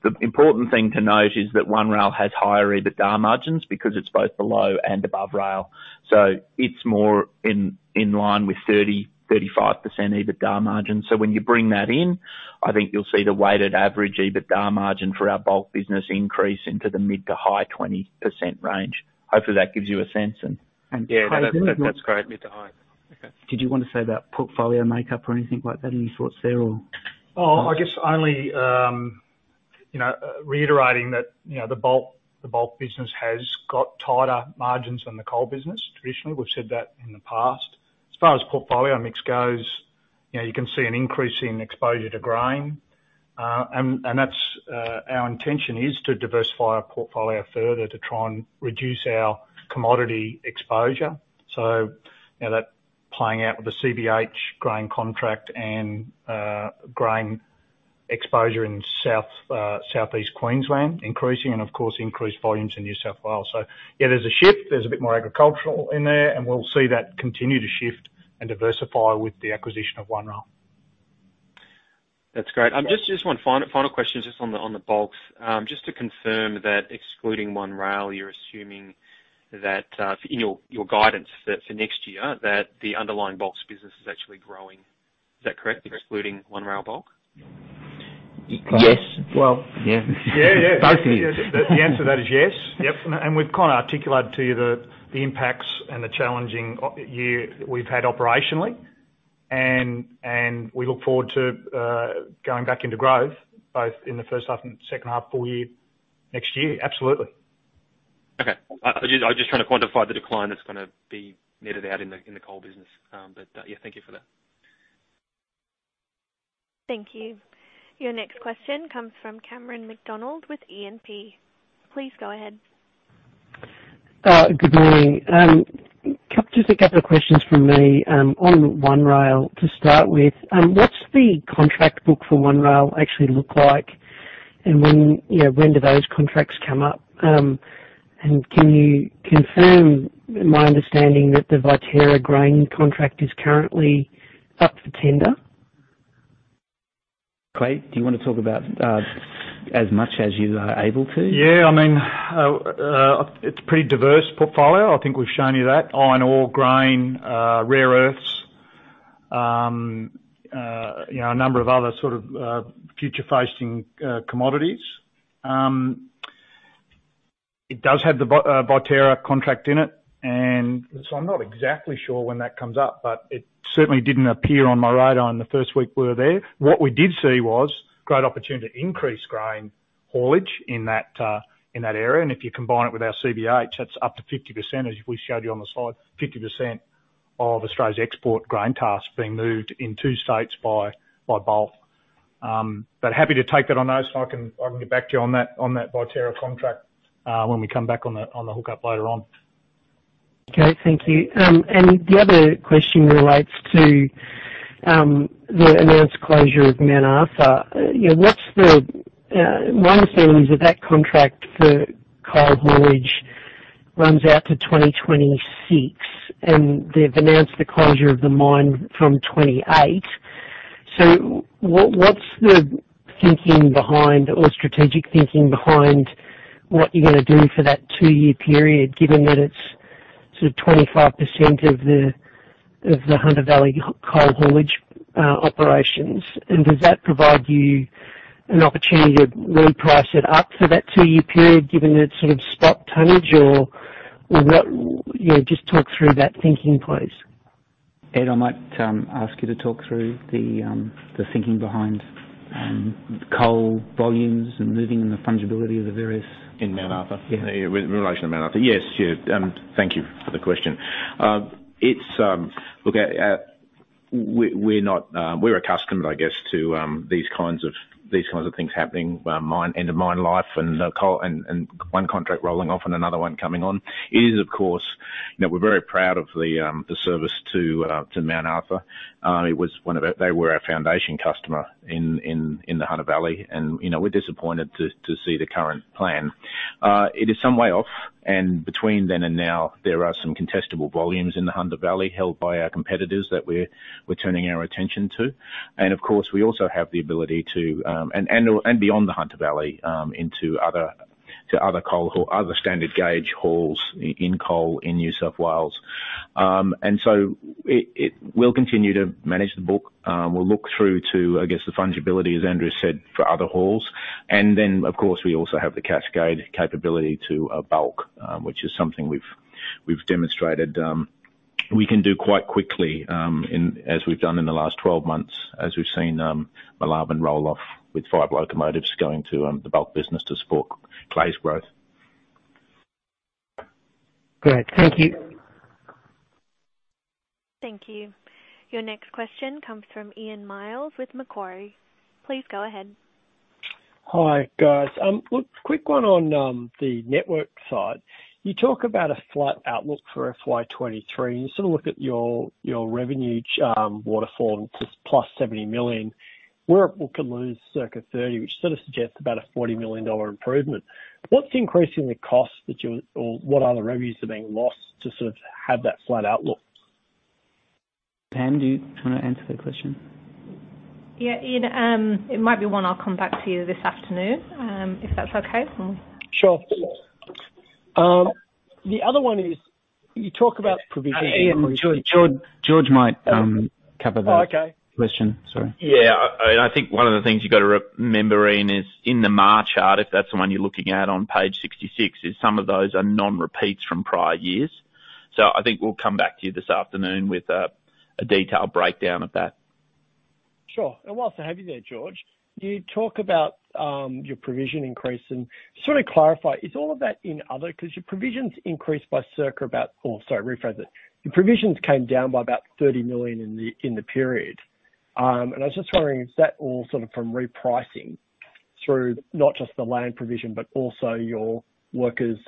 The important thing to note is that One Rail has higher EBITDA margins because it's both below and above rail, so it's more in line with 30%-35% EBITDA margins. When you bring that in, I think you'll see the weighted average EBITDA margin for our bulk business increase into the mid- to high-20% range. Hopefully, that gives you a sense. Yeah, that's great. Mid to high. Okay. Did you wanna say that portfolio makeup or anything like that? Any thoughts there or? reiterating that, you know, the bulk business has got tighter margins than the coal business. Traditionally, we've said that in the past. As far as portfolio mix goes, you know, you can see an increase in exposure to grain, and that's our intention is to diversify our portfolio further to try and reduce our commodity exposure. You know, that playing out with the CBH grain contract and grain exposure in south Southeast Queensland increasing and of course, increased volumes in New South Wales. Yeah, there's a shift, there's a bit more agricultural in there, and we'll see that continue to shift and diversify with the acquisition of One Rail. That's great. Just one final question, just on the bulks. Just to confirm that excluding One Rail, you're assuming that in your guidance for next year, that the underlying bulks business is actually growing. Is that correct? Excluding One Rail Bulk. Yes. Well. Yeah. Both of you. The answer to that is yes. Yep. We've kinda articulated to you the impacts and the challenging year we've had operationally, and we look forward to going back into growth both in the first half and second half full year next year. Absolutely. Okay. I'm just trying to quantify the decline that's gonna be meted out in the coal business. Yeah, thank you for that. Thank you. Your next question comes from Cameron McDonald with E&P. Please go ahead. Good morning. Just a couple of questions from me on One Rail to start with. What's the contract book for One Rail actually look like? And when, you know, when do those contracts come up? Can you confirm my understanding that the Viterra grain contract is currently up for tender? Clay, do you wanna talk about, as much as you are able to? Yeah, I mean, it's a pretty diverse portfolio. I think we've shown you that. Iron ore, grain, rare earths, you know, a number of other sort of future-facing commodities. It does have the Viterra contract in it. I'm not exactly sure when that comes up, but it certainly didn't appear on my radar in the first week we were there. What we did see was great opportunity to increase grain haulage in that area. If you combine it with our CBH, that's up to 50%, as we showed you on the slide, 50% of Australia's export grain task being moved in two states by bulk. Happy to take that on notice, and I can get back to you on that Viterra contract, when we come back on the hookup later on. Okay, thank you. The other question relates to the announced closure of Mount Arthur. My understanding is that the contract for coal haulage runs out to 2026, and they've announced the closure of the mine from 2028. What is the thinking behind or strategic thinking behind what you're gonna do for that two-year period, given that it's sort of 25% of the Hunter Valley coal haulage operations? And does that provide you an opportunity to reprice it up for that two-year period, given that sort of spot tonnage? You know, just talk through that thinking, please. Ed, I might ask you to talk through the thinking behind coal volumes and moving in the fungibility of the various. In Mount Arthur? Yeah. In relation to Mount Arthur. Yes, sure. Thank you for the question. It's. Look, we're accustomed, I guess, to these kinds of things happening, mine end of mine life and coal and one contract rolling off and another one coming on. It is, of course, you know, we're very proud of the service to Mount Arthur. It was one of our. They were our foundation customer in the Hunter Valley and, you know, we're disappointed to see the current plan. It is some way off, and between then and now, there are some contestable volumes in the Hunter Valley held by our competitors that we're turning our attention to. Of course, we also have the ability to beyond the Hunter Valley into other standard gauge hauls in coal in New South Wales. We'll continue to manage the book. We'll look through to, I guess, the fungibility, as Andrew said, for other hauls. Of course, we also have the Cascade capability to bulk, which is something we've demonstrated we can do quite quickly as we've done in the last 12 months, as we've seen, Moolarben roll off with five locomotives going to the bulk business to support Clay's growth. Great. Thank you. Thank you. Your next question comes from Ian Myles with Macquarie. Please go ahead. Hi, guys. Look, quick one on the network side. You talk about a flat outlook for FY 2023, and you sort of look at your revenue waterfall, and it's +AUD 70 million, where below the line is circa 30 million, which sort of suggests about an 40 million dollar improvement. What's increasing the cost or what other revenues are being lost to sort of have that flat outlook? Pam, do you wanna answer that question? Yeah, Ian, it might be one I'll come back to you this afternoon, if that's okay. Sure. The other one is, you talk about provision. Ian, George might cover that. Oh, okay. Sorry. Yeah. I think one of the things you've got to remember, Ian, is in the March chart, if that's the one you're looking at on page 66, is some of those are non-repeats from prior years. I think we'll come back to you this afternoon with a detailed breakdown of that. Sure. While I have you there, George, you talk about your provision increase and sort of clarify, is all of that in other? 'Cause your provisions came down by about 30 million in the period. I was just wondering if that all sort of from repricing through not just the land provision, but also your workers'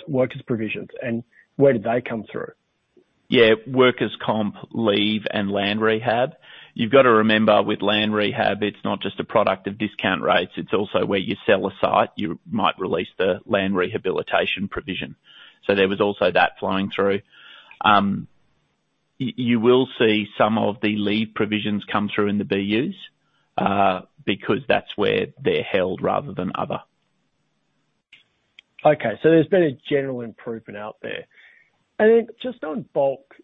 provisions, and where did they come through? Yeah. Workers' comp, leave, and land rehab. You've got to remember, with land rehab, it's not just a product of discount rates, it's also where you sell a site, you might release the land rehabilitation provision. There was also that flowing through. You will see some of the leave provisions come through in the BUs, because that's where they're held rather than other. Okay. There's been a general improvement out there. Just on bulk,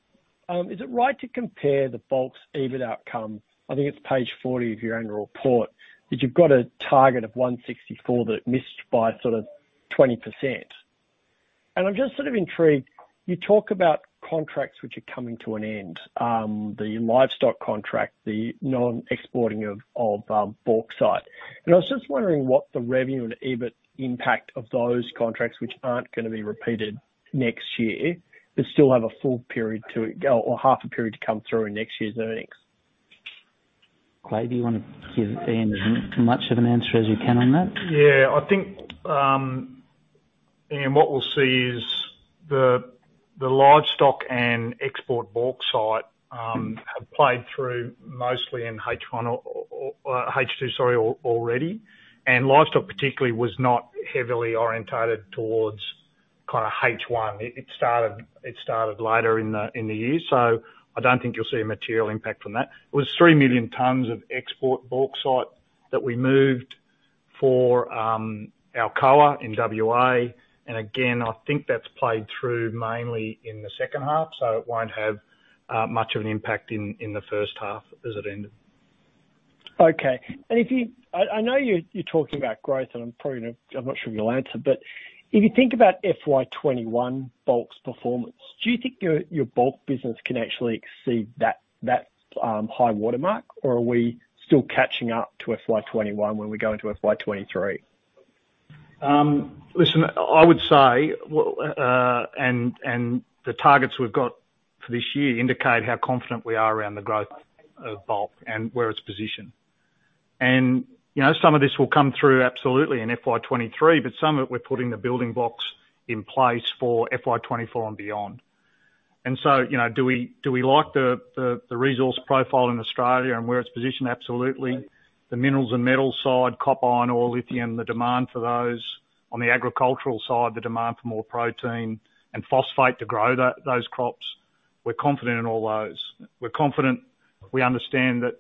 is it right to compare the bulk's EBIT outcome? I think it's page 40 of your annual report, that you've got a target of 164 that missed by sort of 20%. I'm just sort of intrigued, you talk about contracts which are coming to an end, the livestock contract, the non-exporting of bauxite. I was just wondering what the revenue and EBIT impact of those contracts, which aren't gonna be repeated next year, but still have a full period to or half a period to come through in next year's earnings. Clay, do you wanna give Ian as much of an answer as you can on that? I think, Ian, what we'll see is the livestock and export bauxite have played through mostly in H1 or H2, sorry, already. Livestock particularly was not heavily oriented towards kinda H1. It started later in the year. I don't think you'll see a material impact from that. It was 3 million tons of export bauxite that we moved for Alcoa in WA, and again, I think that's played through mainly in the second half, so it won't have much of an impact in the first half as it ended. I know you're talking about growth, and I'm not sure you'll answer, but if you think about FY 2021 bulk's performance, do you think your bulk business can actually exceed that high watermark, or are we still catching up to FY 2021 when we go into FY 2023? Listen, I would say, well, and the targets we've got for this year indicate how confident we are around the growth of bulk and where it's positioned. You know, some of this will come through absolutely in FY 2023, but some of it we're putting the building blocks in place for FY 2024 and beyond. You know, do we like the resource profile in Australia and where it's positioned? Absolutely. The minerals and metals side, copper, iron, oil, lithium, the demand for those. On the agricultural side, the demand for more protein and phosphate to grow those crops. We're confident in all those. We're confident. We understand that,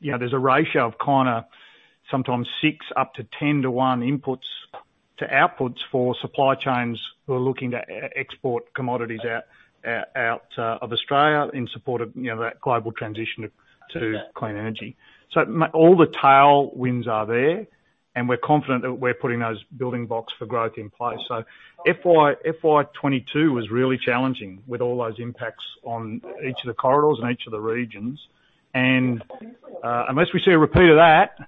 you know, there's a ratio of kinda sometimes six up to 10 to one inputs to outputs for supply chains who are looking to export commodities out of Australia in support of, you know, that global transition to clean energy. All the tailwinds are there, and we're confident that we're putting those building blocks for growth in place. FY 2022 was really challenging with all those impacts on each of the corridors and each of the regions. Unless we see a repeat of that,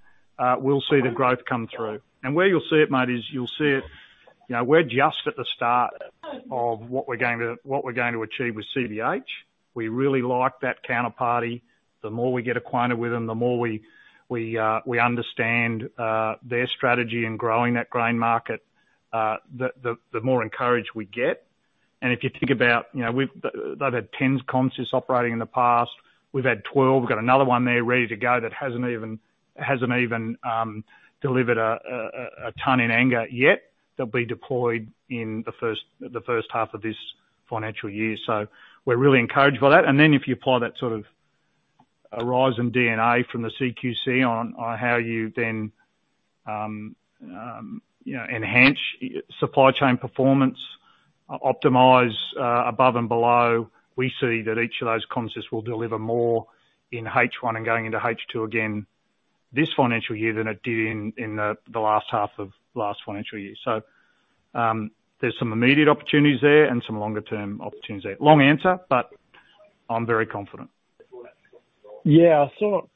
we'll see the growth come through. Where you'll see it, mate, is you'll see it. You know, we're just at the start of what we're going to achieve with CBH. We really like that counterparty. The more we get acquainted with them, the more we understand their strategy in growing that grain market, the more encouraged we get. If you think about, you know, they've had ten consists operating in the past. We've had 12, got another one there ready to go that hasn't even delivered a ton in anger yet. They'll be deployed in the first half of this financial year. We're really encouraged by that. If you apply that sort of Aurizon DNA from the CQCN on how you then you know enhance supply chain performance, optimize above and below, we see that each of those consists will deliver more in H1 and going into H2 again this financial year than it did in the last half of last financial year. There's some immediate opportunities there and some longer term opportunities there. Long answer, but I'm very confident. Yeah. I'm still not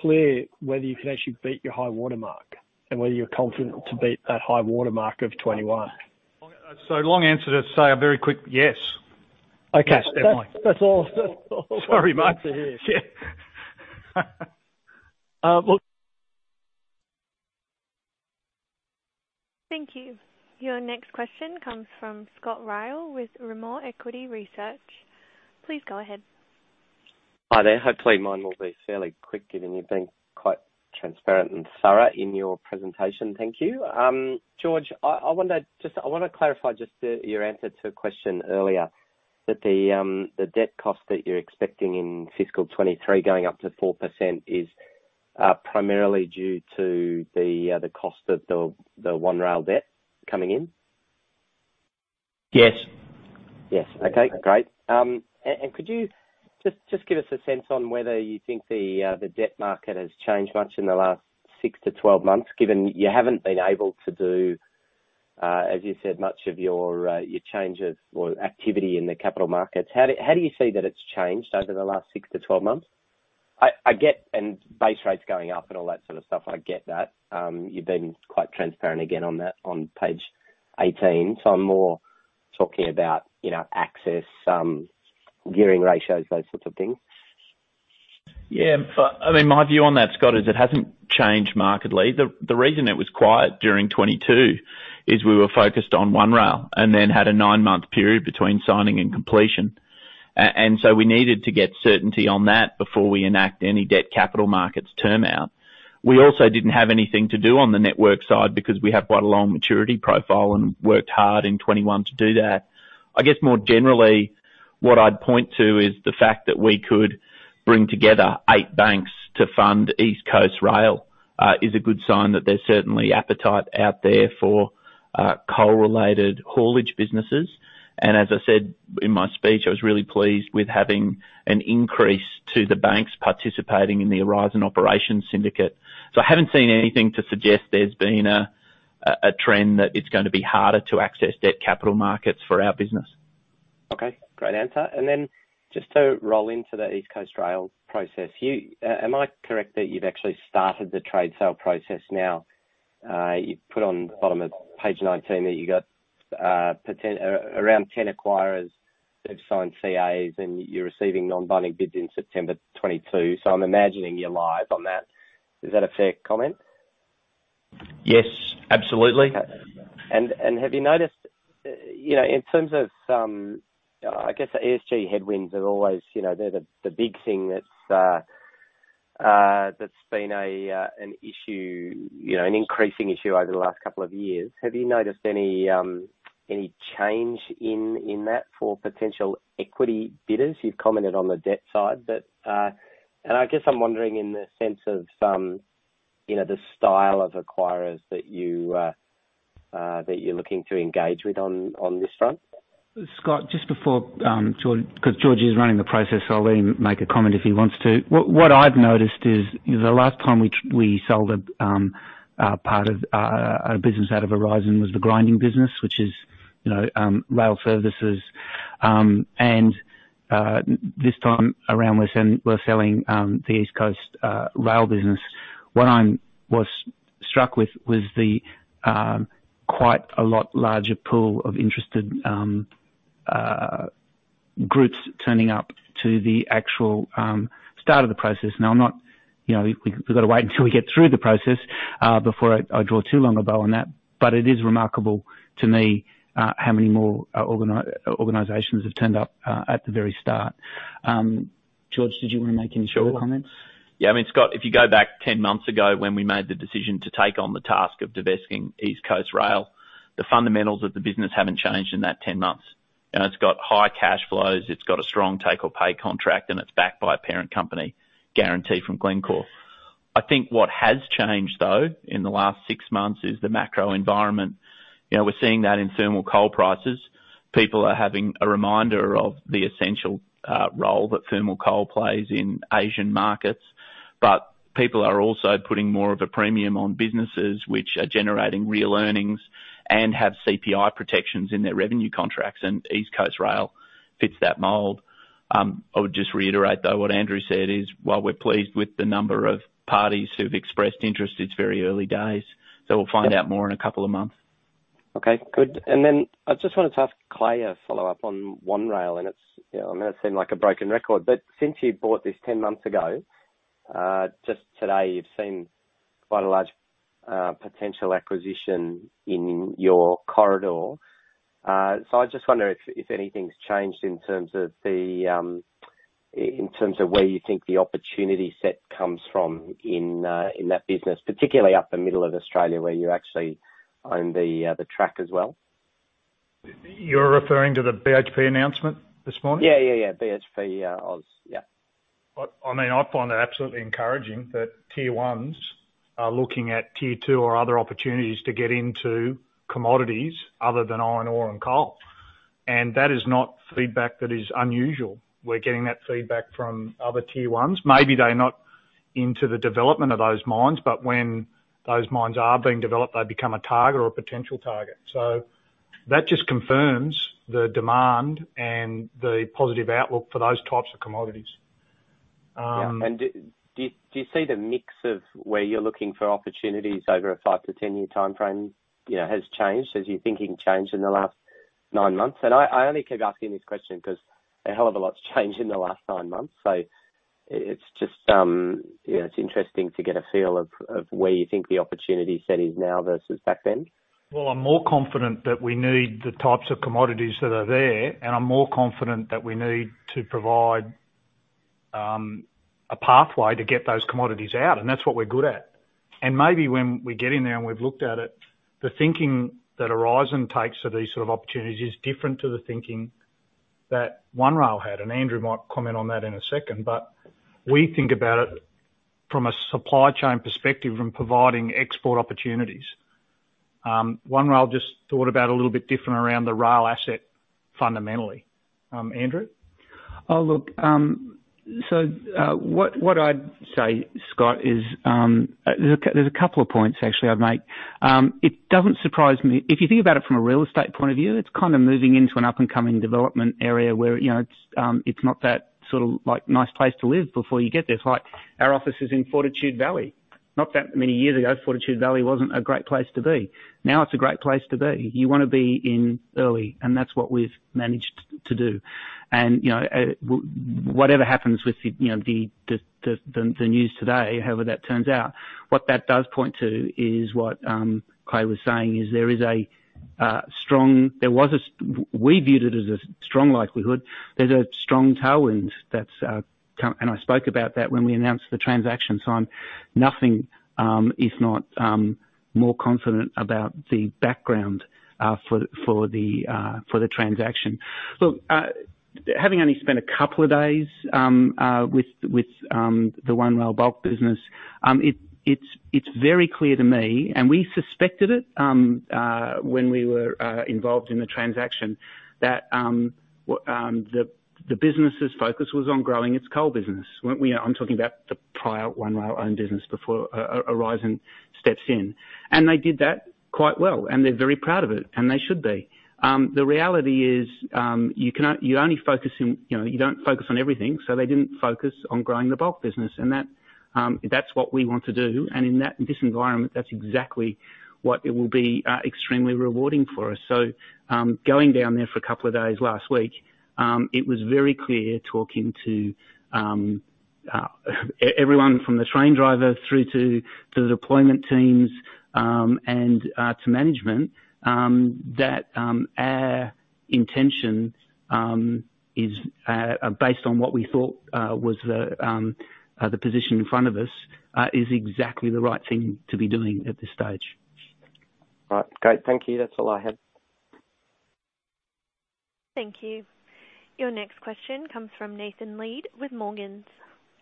clear whether you can actually beat your high watermark and whether you're confident to beat that high watermark of 2021. Long answer to say a very quick yes. Okay. Definitely. That's all. Sorry, mate. I wanted to hear. Yeah. Thank you. Your next question comes from Scott Ryall with Rimor Equity Research. Please go ahead. Hi there. Hopefully, mine will be fairly quick, given you've been quite transparent and thorough in your presentation. Thank you. George, I wanna clarify just your answer to a question earlier that the debt cost that you're expecting in fiscal 2023 going up to 4% is primarily due to the cost of the One Rail debt coming in? Yes. Yes. Okay, great. And could you just give us a sense on whether you think the debt market has changed much in the last six to 12 months, given you haven't been able to do, as you said, much of your changes or activity in the capital markets? How do you see that it's changed over the last six to 12 months? I get base rates going up and all that sort of stuff. I get that. You've been quite transparent again on that on page 18. I'm more talking about, you know, access, gearing ratios, those sorts of things. Yeah. I mean, my view on that, Scott, is it hasn't changed markedly. The reason it was quiet during 2022 is we were focused on One Rail and then had a nine-month period between signing and completion. We needed to get certainty on that before we enact any debt capital markets term out. We also didn't have anything to do on the network side because we have quite a long maturity profile and worked hard in 2021 to do that. I guess more generally what I'd point to is the fact that we could bring together eight banks to fund East Coast Rail is a good sign that there's certainly appetite out there for coal-related haulage businesses. As I said in my speech, I was really pleased with having an increase to the banks participating in the Aurizon Operations syndicate. I haven't seen anything to suggest there's been a trend that it's gonna be harder to access debt capital markets for our business. Okay, great answer. Just to roll into the East Coast Rail process. Am I correct that you've actually started the trade sale process now? You've put on the bottom of page 19 that you got around 10 acquirers that have signed CAs and you're receiving non-binding bids in September 2022, so I'm imagining you're live on that. Is that a fair comment? Yes, absolutely. Okay. Have you noticed, you know, in terms of, I guess ESG headwinds are always, you know, they're the big thing that's been an issue, you know, an increasing issue over the last couple of years. Have you noticed any change in that for potential equity bidders? You've commented on the debt side, but I guess I'm wondering in the sense of, you know, the style of acquirers that you're looking to engage with on this front. Scott, just before George. 'Cause George is running the process, so I'll let him make a comment if he wants to. What I've noticed is the last time we sold a part of our business out of Aurizon was the grain business, which is, you know, rail services, and this time around, we're selling the East Coast Rail business. What I was struck with was the quite a lot larger pool of interested groups turning up to the actual start of the process. Now, I'm not, you know, we gotta wait until we get through the process before I draw too long a bow on that. It is remarkable to me how many more organizations have turned up at the very start. George, did you wanna make any comments? Sure. Yeah. I mean, Scott, if you go back 10 months ago when we made the decision to take on the task of divesting East Coast Rail, the fundamentals of the business haven't changed in that 10 months. It's got high cash flows, it's got a strong take-or-pay contract, and it's backed by a parent company guarantee from Glencore. I think what has changed, though, in the last six months is the macro environment. You know, we're seeing that in thermal coal prices. People are having a reminder of the essential role that thermal coal plays in Asian markets. People are also putting more of a premium on businesses which are generating real earnings and have CPI protections in their revenue contracts, and East Coast Rail fits that mold. I would just reiterate, though, what Andrew said, is while we're pleased with the number of parties who've expressed interest, it's very early days. We'll find out more in a couple of months. Okay, good. Then I just wanted to ask Clay a follow-up on One Rail. You know, I mean, it seemed like a broken record, but since you bought this 10 months ago, just today you've seen quite a large potential acquisition in your corridor. So I just wonder if anything's changed in terms of where you think the opportunity set comes from in that business, particularly up the middle of Australia, where you actually own the track as well. You're referring to the BHP announcement this morning? Yeah, yeah. BHP, OZ. Yeah. I mean, I find that absolutely encouraging that tier ones are looking at tier two or other opportunities to get into commodities other than iron ore and coal. That is not feedback that is unusual. We're getting that feedback from other tier ones. Maybe they're not into the development of those mines, but when those mines are being developed, they become a target or a potential target. That just confirms the demand and the positive outlook for those types of commodities. Yeah. Do you see the mix of where you're looking for opportunities over a five- to 10-year timeframe, you know, has changed as your thinking changed in the last nine months? I only keep asking this question 'cause a hell of a lot's changed in the last nine months. It's just, you know, it's interesting to get a feel of where you think the opportunity set is now versus back then. Well, I'm more confident that we need the types of commodities that are there, and I'm more confident that we need to provide, a pathway to get those commodities out, and that's what we're good at. Maybe when we get in there and we've looked at it, the thinking that Aurizon takes to these sort of opportunities is different to the thinking that One Rail had, and Andrew might comment on that in a second. We think about it from a supply chain perspective and providing export opportunities. One Rail just thought about a little bit different around the rail asset fundamentally. Andrew? What I'd say, Scott, is there's a couple of points actually I'd make. It doesn't surprise me. If you think about it from a real estate point of view, it's kinda moving into an up-and-coming development area where, you know, it's not that sort of, like, nice place to live before you get there. It's like our office is in Fortitude Valley. Not that many years ago, Fortitude Valley wasn't a great place to be. Now it's a great place to be. You wanna be in early, and that's what we've managed to do. You know, whatever happens with the news today, however that turns out, what that does point to is what Clay was saying, is there is a strong. We viewed it as a strong likelihood. There's a strong tailwind that's come and I spoke about that when we announced the transaction, so I'm nothing if not more confident about the background for the transaction. Look, having only spent a couple of days with the One Rail Bulk business, it's very clear to me, and we suspected it when we were involved in the transaction, that the business' focus was on growing its coal business. I'm talking about the prior One Rail-owned business before Aurizon steps in. They did that quite well, and they're very proud of it, and they should be. The reality is, you only focus in, you know, you don't focus on everything, so they didn't focus on growing the bulk business and that's what we want to do. In this environment, that's exactly what it will be, extremely rewarding for us. Going down there for a couple of days last week, it was very clear talking to everyone from the train driver through to the deployment teams, and to management, that our intention is based on what we thought was the position in front of us, is exactly the right thing to be doing at this stage. All right. Great. Thank you. That's all I had. Thank you. Your next question comes from Nathan Lead with Morgans.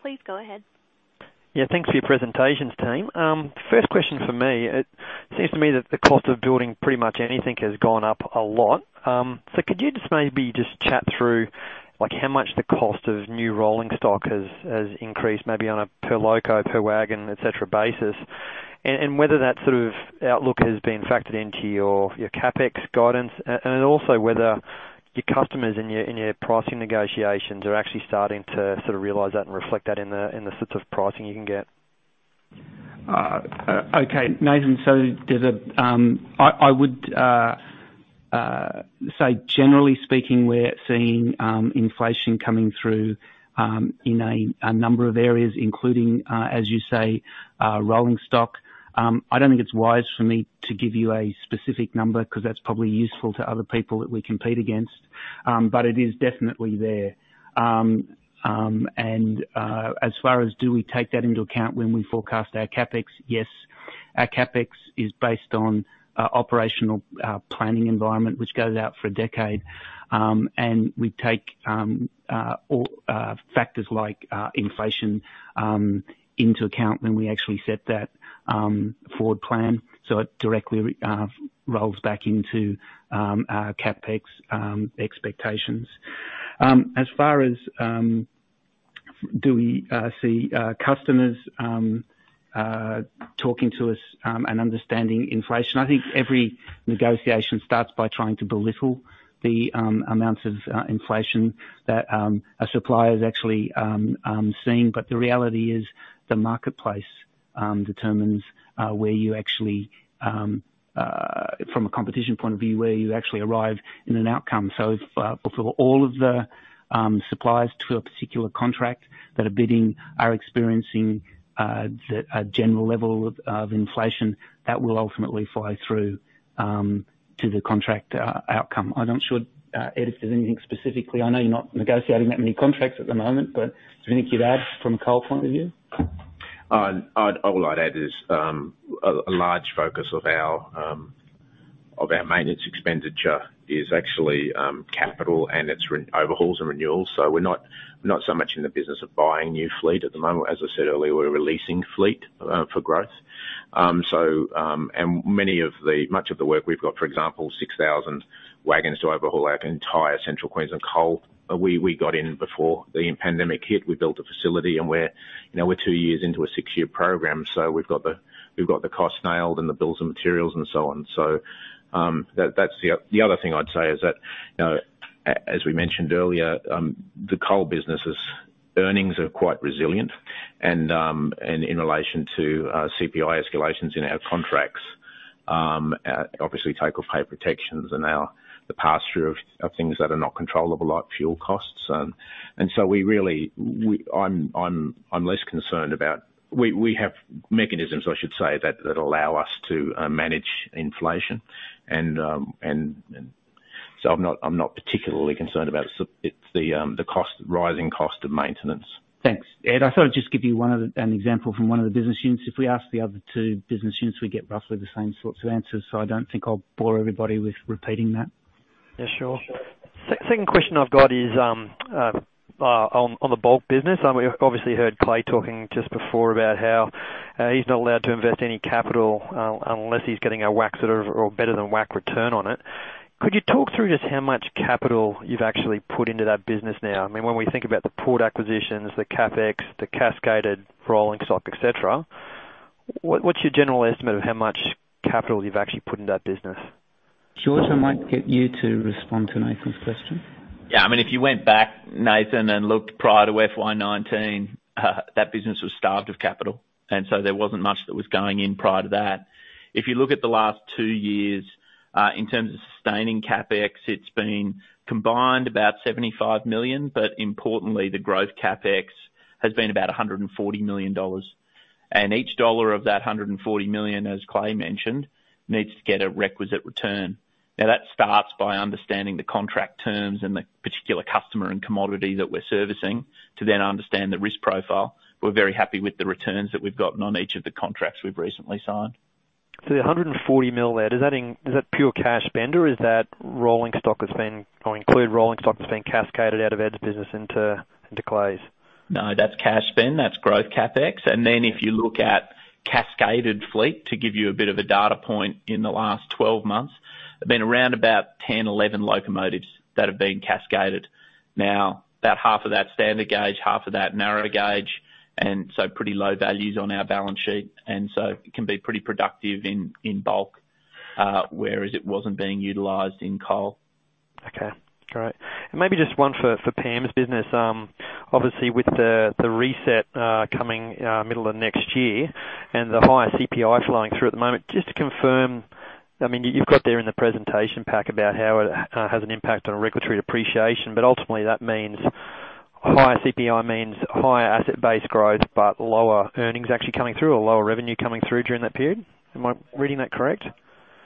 Please go ahead. Yeah. Thanks for your presentations, team. First question from me. It seems to me that the cost of building pretty much anything has gone up a lot. Could you just maybe just chat through, like, how much the cost of new rolling stock has increased maybe on a per loco, per wagon, et cetera, basis? Whether that sort of outlook has been factored into your CapEx guidance, and then also whether your customers in your pricing negotiations are actually starting to sort of realize that and reflect that in the sorts of pricing you can get. Okay, Nathan, I would say generally speaking, we're seeing inflation coming through in a number of areas, including, as you say, rolling stock. I don't think it's wise for me to give you a specific number because that's probably useful to other people that we compete against. But it is definitely there. As far as do we take that into account when we forecast our CapEx? Yes. Our CapEx is based on operational planning environment, which goes out for a decade. We take all factors like inflation into account when we actually set that forward plan, so it directly rolls back into our CapEx expectations. As far as do we see customers talking to us and understanding inflation? I think every negotiation starts by trying to belittle the amounts of inflation that a supplier is actually seeing. The reality is the marketplace determines, from a competition point of view, where you actually arrive in an outcome. If for all of the suppliers to a particular contract that are bidding are experiencing a general level of inflation, that will ultimately flow through to the contract outcome. I'm not sure, Ed, if there's anything specifically. I know you're not negotiating that many contracts at the moment, but is there anything you'd add from a coal point of view? All I'd add is a large focus of our maintenance expenditure is actually capital, and it's overhauls and renewals, so we're not so much in the business of buying new fleet at the moment. As I said earlier, we're releasing fleet for growth. Much of the work we've got, for example, 6,000 wagons to overhaul our entire Central Queensland Coal. We got in before the pandemic hit. We built a facility and we're you know two years into a six-year program, so we've got the costs nailed and the bills and materials and so on. That's the. The other thing I'd say is that, you know, as we mentioned earlier, the coal business' earnings are quite resilient and in relation to CPI escalations in our contracts, obviously take or pay protections and the pass-through of things that are not controllable, like fuel costs. We have mechanisms, I should say, that allow us to manage inflation, and so I'm not particularly concerned about. It's the rising cost of maintenance. Thanks, Ed. I thought I'd just give you an example from one of the business units. If we ask the other two business units, we get roughly the same sorts of answers, so I don't think I'll bore everybody with repeating that. Yeah, sure. Second question I've got is on the bulk business. We obviously heard Clay talking just before about how he's not allowed to invest any capital unless he's getting a WACC sort of or better than WACC return on it. Could you talk through just how much capital you've actually put into that business now? I mean, when we think about the port acquisitions, the CapEx, the cascaded rolling stock, et cetera, what's your general estimate of how much capital you've actually put in that business? George, I might get you to respond to Nathan's question. Yeah. I mean, if you went back, Nathan, and looked prior to FY 2019, that business was starved of capital, and so there wasn't much that was going in prior to that. If you look at the last two years, in terms of sustaining CapEx, it's been combined about 75 million, but importantly, the growth CapEx has been about 140 million dollars. Each dollar of that 140 million, as Clay mentioned, needs to get a requisite return. Now, that starts by understanding the contract terms and the particular customer and commodity that we're servicing, to then understand the risk profile. We're very happy with the returns that we've gotten on each of the contracts we've recently signed. The 140 million there, is that pure cash spend or does it include rolling stock that's been cascaded out of Ed's business into Clay's? No, that's cash spend, that's growth CapEx. Then if you look at cascaded fleet, to give you a bit of a data point in the last 12 months, there's been around about 10, 11 locomotives that have been cascaded. Now, about half of that standard gauge, half of that narrow gauge, and so pretty low values on our balance sheet. It can be pretty productive in bulk, whereas it wasn't being utilized in coal. Okay. Great. Maybe just one for Pam's business. Obviously with the reset coming middle of next year and the higher CPI flowing through at the moment, just to confirm, I mean, you've got there in the presentation pack about how it has an impact on regulatory depreciation, but ultimately that means higher CPI means higher asset base growth but lower earnings actually coming through or lower revenue coming through during that period. Am I reading that correct?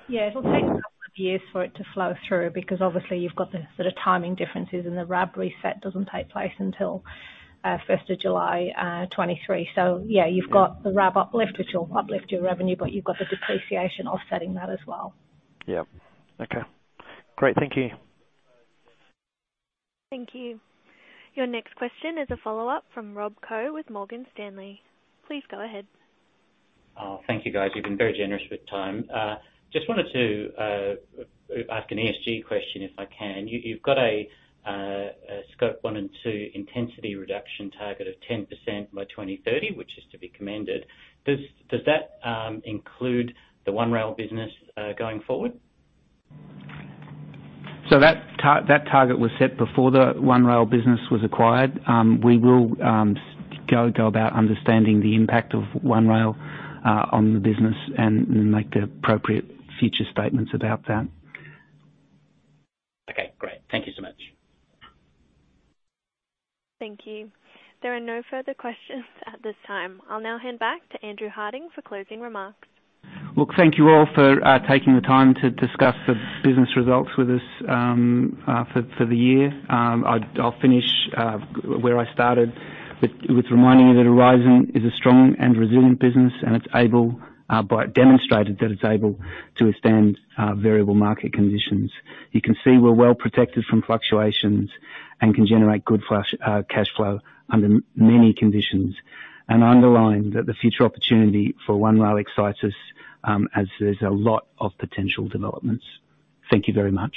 Yeah. It'll take a couple of years for it to flow through because obviously you've got the sort of timing differences, and the RAB reset doesn't take place until July 1st 2023. Yeah, you've got the RAB uplift, which will uplift your revenue, but you've got the depreciation offsetting that as well. Yeah. Okay. Great. Thank you. Thank you. Your next question is a follow-up from Robert Koh with Morgan Stanley. Please go ahead. Oh, thank you, guys. You've been very generous with time. Just wanted to ask an ESG question, if I can. You've got a scope one and two intensity reduction target of 10% by 2030, which is to be commended. Does that include the One Rail business going forward? That target was set before the One Rail business was acquired. We will go about understanding the impact of One Rail on the business and make the appropriate future statements about that. Okay. Great. Thank you so much. Thank you. There are no further questions at this time. I'll now hand back to Andrew Harding for closing remarks. Look, thank you all for taking the time to discuss the business results with us for the year. I'll finish where I started with reminding you that Aurizon is a strong and resilient business, and demonstrated that it's able to withstand variable market conditions. You can see we're well protected from fluctuations and can generate good flush cash flow under many conditions, and underline that the future opportunity for One Rail excites us, as there's a lot of potential developments. Thank you very much.